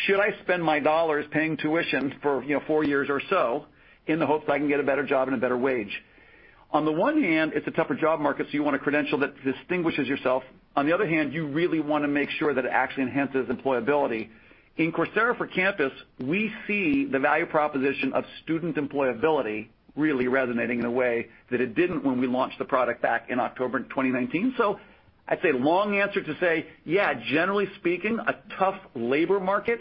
should I spend my dollars paying tuition for four years or so in the hopes that I can get a better job and a better wage? On the one hand, it's a tougher job market, so you want a credential that distinguishes yourself. On the other hand, you really want to make sure that it actually enhances employability. In Coursera for Campus, we see the value proposition of student employability really resonating in a way that it didn't when we launched the product back in October 2019. I'd say long answer to say, yeah, generally speaking, a tough labor market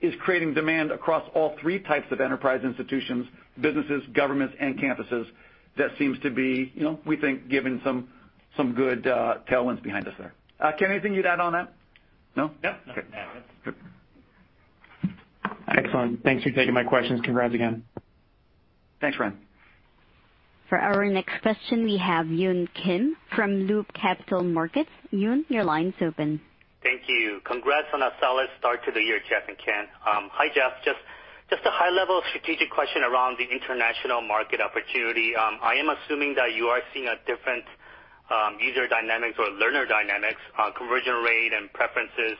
is creating demand across all 3 types of enterprise institutions, businesses, governments, and campuses. That seems to be, we think, given some good tailwinds behind us there. Ken, anything you'd add on that? No? No, nothing to add. Good. Excellent. Thanks for taking my questions. Congrats again. Thanks, Ryan. For our next question, we have Yun Kim from Loop Capital Markets. Yun, your line's open. Thank you. Congrats on a solid start to the year, Jeff and Ken. Hi, Jeff. Just a high-level strategic question around the international market opportunity. I am assuming that you are seeing a different user dynamics or learner dynamics, conversion rate, and preferences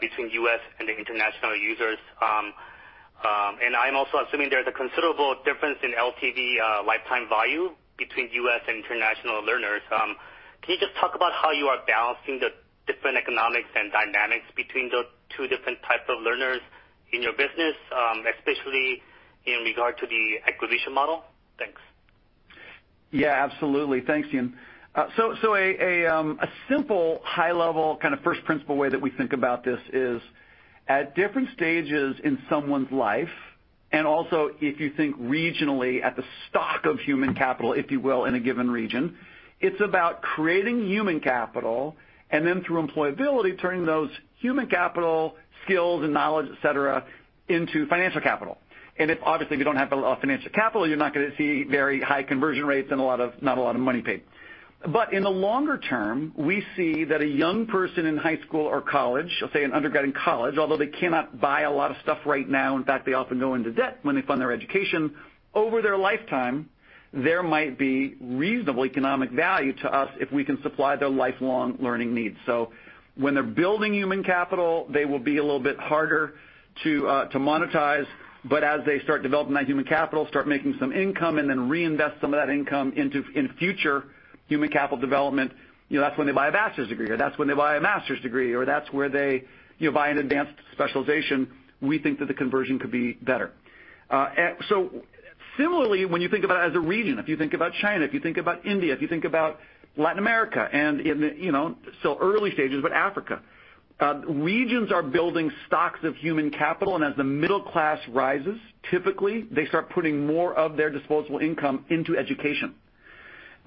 between U.S. and the international users. I'm also assuming there's a considerable difference in LTV, lifetime value, between U.S. and international learners. Can you just talk about how you are balancing the different economics and dynamics between the two different types of learners in your business, especially in regard to the acquisition model? Thanks. Yeah, absolutely. Thanks, Yun. A simple high-level kind of first principle way that we think about this is at different stages in someone's life, and also if you think regionally at the stock of human capital, if you will, in a given region, it's about creating human capital and then through employability, turning those human capital skills and knowledge, et cetera, into financial capital. If, obviously, we don't have a financial capital, you're not gonna see very high conversion rates and not a lot of money paid. In the longer term, we see that a young person in high school or college, let's say an undergrad in college, although they cannot buy a lot of stuff right now, in fact, they often go into debt when they fund their education. Over their lifetime, there might be reasonable economic value to us if we can supply their lifelong learning needs. When they're building human capital, they will be a little bit harder to monetize, but as they start developing that human capital, start making some income, and then reinvest some of that income in future human capital development, that's when they buy a bachelor's degree, or that's when they buy a master's degree, or that's where they buy an advanced specialization. We think that the conversion could be better. Similarly, when you think about it as a region, if you think about China, if you think about India, if you think about Latin America, and in still early stages, but Africa. Regions are building stocks of human capital, and as the middle class rises, typically, they start putting more of their disposable income into education.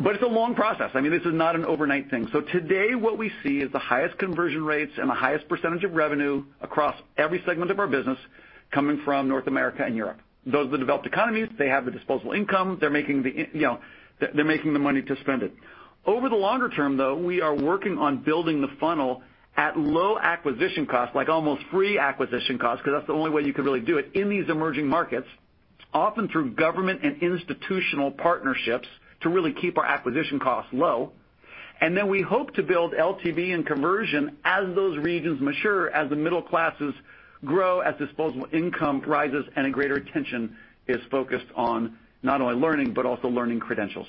It's a long process. This is not an overnight thing. Today what we see is the highest conversion rates and the highest percentage of revenue across every segment of our business coming from North America and Europe. Those are the developed economies. They have the disposable income. They're making the money to spend it. Over the longer term, though, we are working on building the funnel at low acquisition costs, like almost free acquisition costs, because that's the only way you could really do it in these emerging markets, often through government and institutional partnerships to really keep our acquisition costs low. Then we hope to build LTV and conversion as those regions mature, as the middle classes grow, as disposable income rises, and a greater attention is focused on not only learning, but also learning credentials.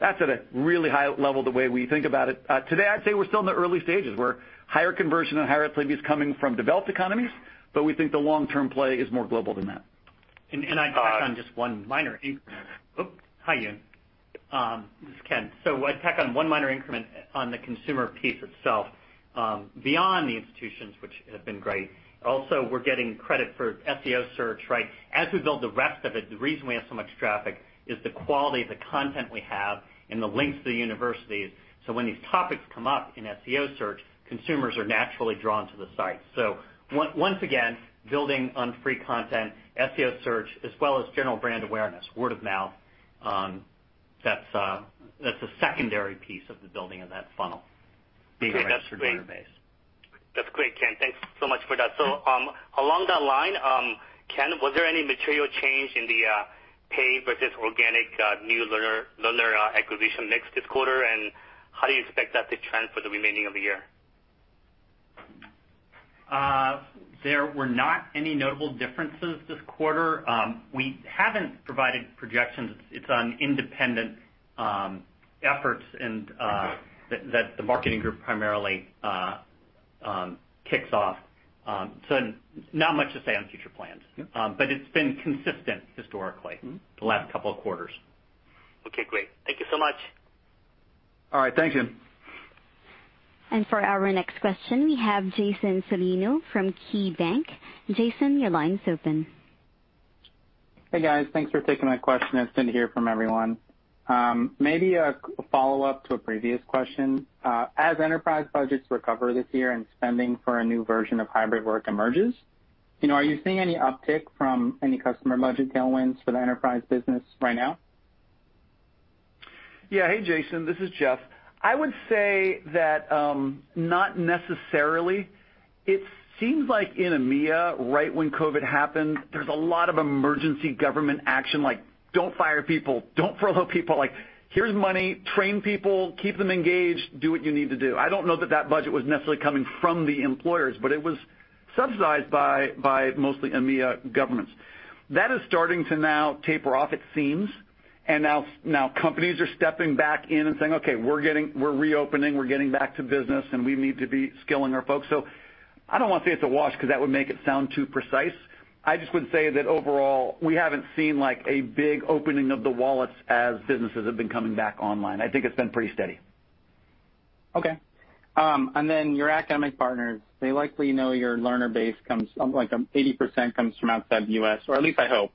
That's at a really high level the way we think about it. Today, I'd say we're still in the early stages, where higher conversion and higher LTV is coming from developed economies, but we think the long-term play is more global than that. I'd touch on just one minor increment. Hi, Yun. This is Ken. I'd tack on one minor increment on the consumer piece itself. Beyond the institutions, which have been great, also, we're getting credit for SEO search, right? As we build the rest of it, the reason we have so much traffic is the quality of the content we have and the links to the universities. When these topics come up in SEO search, consumers are naturally drawn to the site. Once again, building on free content, SEO search, as well as general brand awareness, word of mouth, that's a secondary piece of the building of that funnel. That's great. Being registered learner base. That's great, Ken. Thanks so much for that. Along that line, Ken, was there any material change in the paid versus organic new learner acquisition mix this quarter, and how do you expect that to trend for the remaining of the year? There were not any notable differences this quarter. We haven't provided projections. It's on independent efforts that the marketing group primarily kicks off. Not much to say on future plans. It's been consistent historically the last couple of quarters. Okay, great. Thank you so much. All right. Thanks, Yun. For our next question, we have Jason Celino from KeyBanc. Jason, your line is open. Hey, guys. Thanks for taking my question. Nice to hear from everyone. Maybe a follow-up to a previous question. As enterprise budgets recover this year and spending for a new version of hybrid work emerges, are you seeing any uptick from any customer budget tailwinds for the enterprise business right now? Hey, Jason. This is Jeff. I would say, not necessarily. It seems like in EMEA, right when COVID happened, there's a lot of emergency government action, like don't fire people, don't furlough people, like, here's money, train people, keep them engaged, do what you need to do. I don't know that budget was necessarily coming from the employers, but it was subsidized by mostly EMEA governments. That is starting to now taper off, it seems. Now companies are stepping back in and saying, "Okay, we're reopening, we're getting back to business, and we need to be skilling our folks." I don't want to say it's a wash because that would make it sound too precise. I just would say overall, we haven't seen a big opening of the wallets as businesses have been coming back online. I think it's been pretty steady. Okay. Then your academic partners, they likely know your learner base, like 80% comes from outside the U.S., or at least I hope.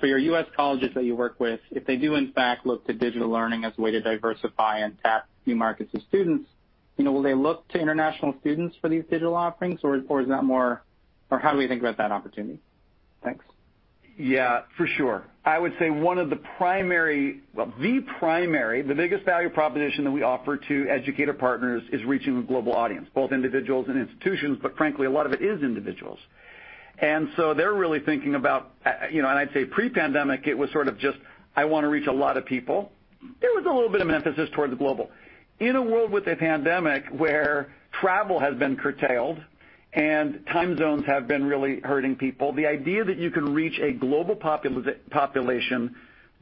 For your U.S. colleges that you work with, if they do in fact look to digital learning as a way to diversify and tap new markets to students, will they look to international students for these digital offerings or how do we think about that opportunity? Thanks. Yeah, for sure. I would say the primary, the biggest value proposition that we offer to educator partners is reaching a global audience, both individuals and institutions, but frankly, a lot of it is individuals. They're really thinking about, and I'd say pre-pandemic, it was sort of just, "I want to reach a lot of people." There was a little bit of an emphasis towards the global. In a world with a pandemic where travel has been curtailed and time zones have been really hurting people, the idea that you can reach a global population,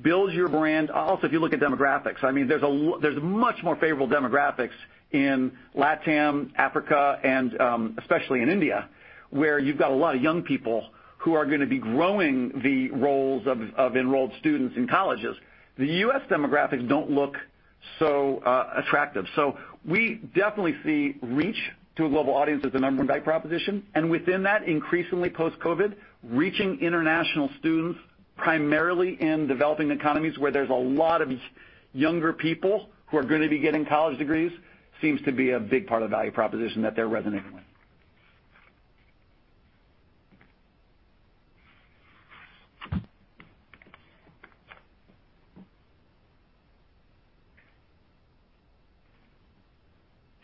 build your brand. Also, if you look at demographics, there's much more favorable demographics in LATAM, Africa, and especially in India, where you've got a lot of young people who are going to be growing the roles of enrolled students in colleges. The U.S. demographics don't look so attractive. We definitely see reach to a global audience as the number 1 value proposition. Within that, increasingly post-COVID-19, reaching international students, primarily in developing economies where there's a lot of younger people who are going to be getting college degrees, seems to be a big part of the value proposition that they're resonating with.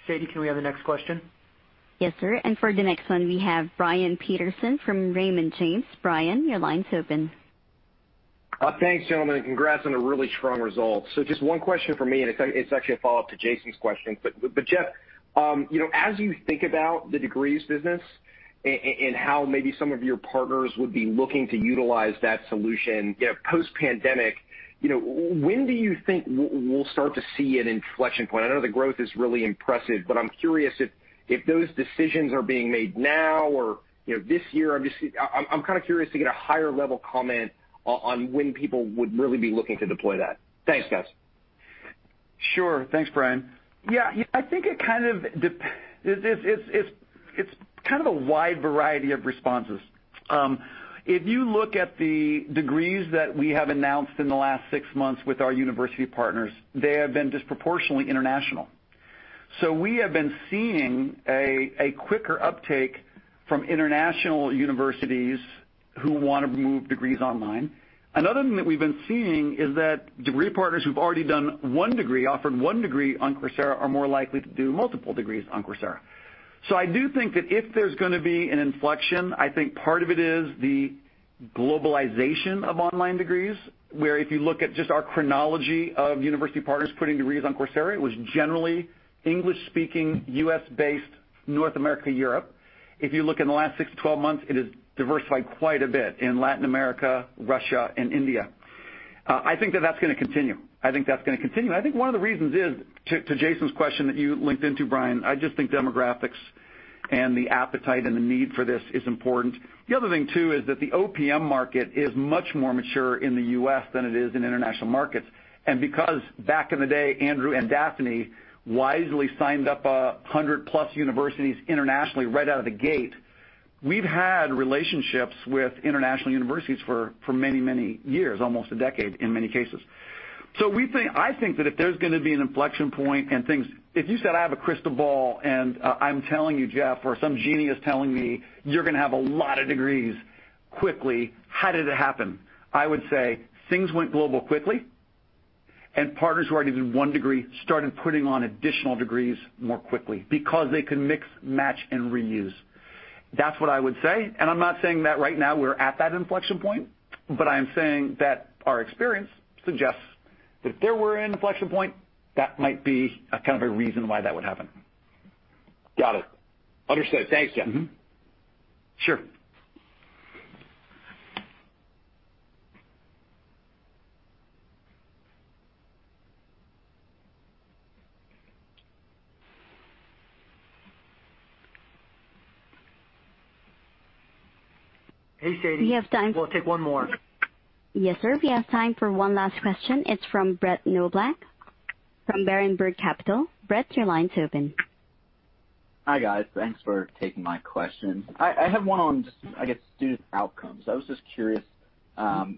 Sadie, can we have the next question? Yes, sir. For the next one, we have Brian Peterson from Raymond James. Brian, your line's open. Thanks, gentlemen. Congrats on a really strong result. Just one question from me, and it's actually a follow-up to Jason's question. Jeff, as you think about the Degrees business and how maybe some of your partners would be looking to utilize that solution, post-pandemic, when do you think we'll start to see an inflection point? I know the growth is really impressive, I'm curious if those decisions are being made now or this year. I'm kind of curious to get a higher-level comment on when people would really be looking to deploy that. Thanks, guys. Sure. Thanks, Brian. Yeah, I think it's kind of a wide variety of responses. If you look at the degrees that we have announced in the last six months with our university partners, they have been disproportionately international. We have been seeing a quicker uptake from international universities who want to move degrees online. Another thing that we've been seeing is that degree partners who've already done one degree, offered one degree on Coursera, are more likely to do multiple degrees on Coursera. I do think that if there's going to be an inflection, I think part of it is the globalization of online degrees, where if you look at just our chronology of university partners putting degrees on Coursera, it was generally English-speaking, U.S.-based, North America, Europe. If you look in the last 6 to 12 months, it has diversified quite a bit in Latin America, Russia, and India. I think that that's going to continue. I think one of the reasons is, to Jason's question that you linked into, Brian, I just think demographics and the appetite and the need for this is important. The other thing, too, is that the OPM market is much more mature in the U.S. than it is in international markets. Because back in the day, Andrew and Daphne wisely signed up 100-plus universities internationally right out of the gate, we've had relationships with international universities for many, many years, almost a decade in many cases. I think that if there's going to be an inflection point if you said, "I have a crystal ball," and I'm telling you, Jeff, or some genie is telling me, "You're going to have a lot of degrees quickly. How did it happen?" I would say things went global quickly, and partners who had already done one degree started putting on additional degrees more quickly because they could mix, match, and reuse. That's what I would say. I'm not saying that right now we're at that inflection point, but I'm saying that our experience suggests that if there were an inflection point, that might be a kind of a reason why that would happen. Got it. Understood. Thanks, Jeff. Sure. Hey, Sadie. We have time. We'll take one more. Yes, sir. We have time for one last question. It is from Brett Knoblauch from Berenberg Capital. Brett, your line is open. Hi, guys. Thanks for taking my question. I have one on just, I guess, student outcomes. I was just curious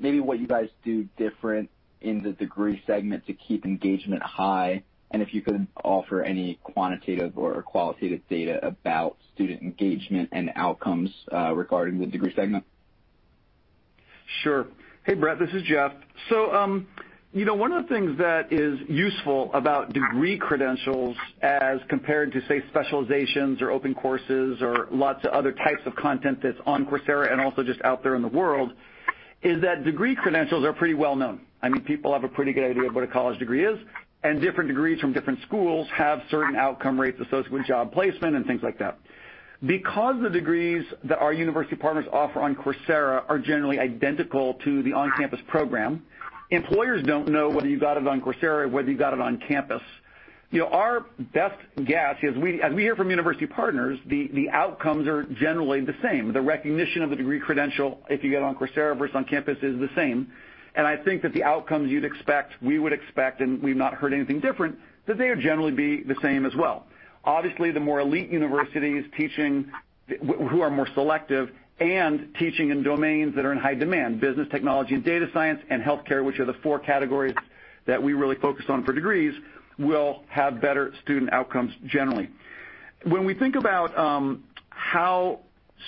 maybe what you guys do different in the degree segment to keep engagement high, and if you can offer any quantitative or qualitative data about student engagement and outcomes regarding the degree segment. Sure. Hey, Brett. This is Jeff. One of the things that is useful about degree credentials as compared to, say, specializations or open courses or lots of other types of content that is on Coursera and also just out there in the world, is that degree credentials are pretty well-known. People have a pretty good idea of what a college degree is, and different degrees from different schools have certain outcome rates associated with job placement and things like that. Because the degrees that our university partners offer on Coursera are generally identical to the on-campus program, employers don't know whether you got it on Coursera or whether you got it on campus. Our best guess, as we hear from university partners, the outcomes are generally the same. The recognition of the degree credential, if you get on Coursera versus on campus, is the same. I think that the outcomes you'd expect, we would expect, and we've not heard anything different, that they would generally be the same as well. Obviously, the more elite universities who are more selective and teaching in domains that are in high demand, business, technology and data science, and healthcare, which are the four categories that we really focus on for degrees, will have better student outcomes generally. When we think about how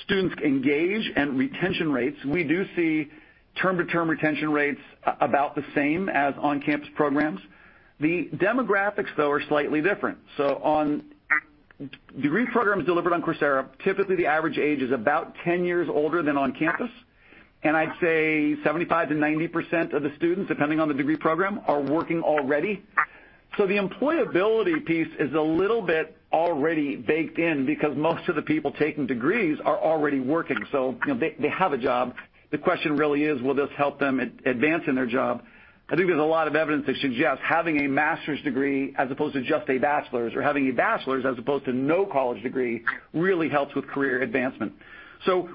students engage and retention rates, we do see term-to-term retention rates about the same as on-campus programs. The demographics, though, are slightly different. On degree programs delivered on Coursera, typically the average age is about 10 years older than on campus, and I'd say 75%-90% of the students, depending on the degree program, are working already. The employability piece is a little bit already baked in because most of the people taking degrees are already working. They have a job. The question really is, will this help them advance in their job? I think there's a lot of evidence that suggests having a master's degree as opposed to just a bachelor's, or having a bachelor's as opposed to no college degree, really helps with career advancement.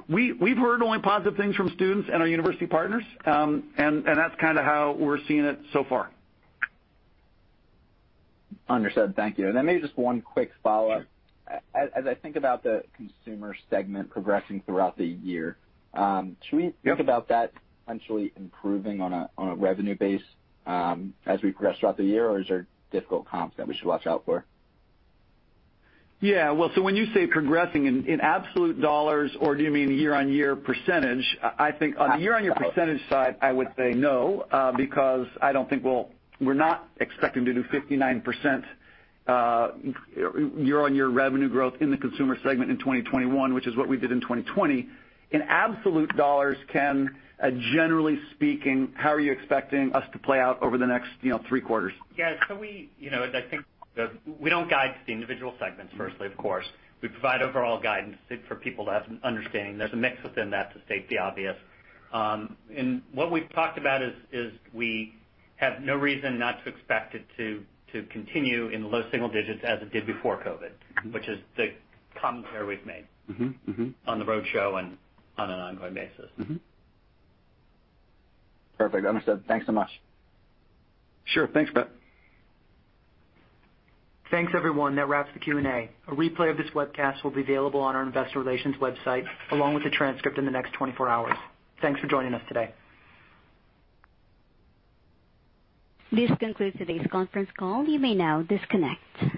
We've heard only positive things from students and our university partners, and that's kind of how we're seeing it so far. Understood. Thank you. Maybe just one quick follow-up. Sure. As I think about the consumer segment progressing throughout the year. Yep think about that potentially improving on a revenue base as we progress throughout the year, or is there difficult comps that we should watch out for? Yeah. When you say progressing in absolute dollars, or do you mean year-over-year percentage? I think on the year-over-year percentage side, I would say no, because we're not expecting to do 59% year-over-year revenue growth in the Consumer Segment in 2021, which is what we did in 2020. In absolute dollars, Ken, generally speaking, how are you expecting us to play out over the next three quarters? Yeah. We don't guide to the individual segments firstly, of course. We provide overall guidance for people to have an understanding. There's a mix within that, to state the obvious. What we've talked about is we have no reason not to expect it to continue in the low single digits as it did before COVID, which is the commentary we've made on the roadshow and on an ongoing basis. Perfect. Understood. Thanks so much. Sure. Thanks, Brett. Thanks, everyone. That wraps the Q&A. A replay of this webcast will be available on our investor relations website, along with the transcript in the next 24 hours. Thanks for joining us today. This concludes today's conference call. You may now disconnect.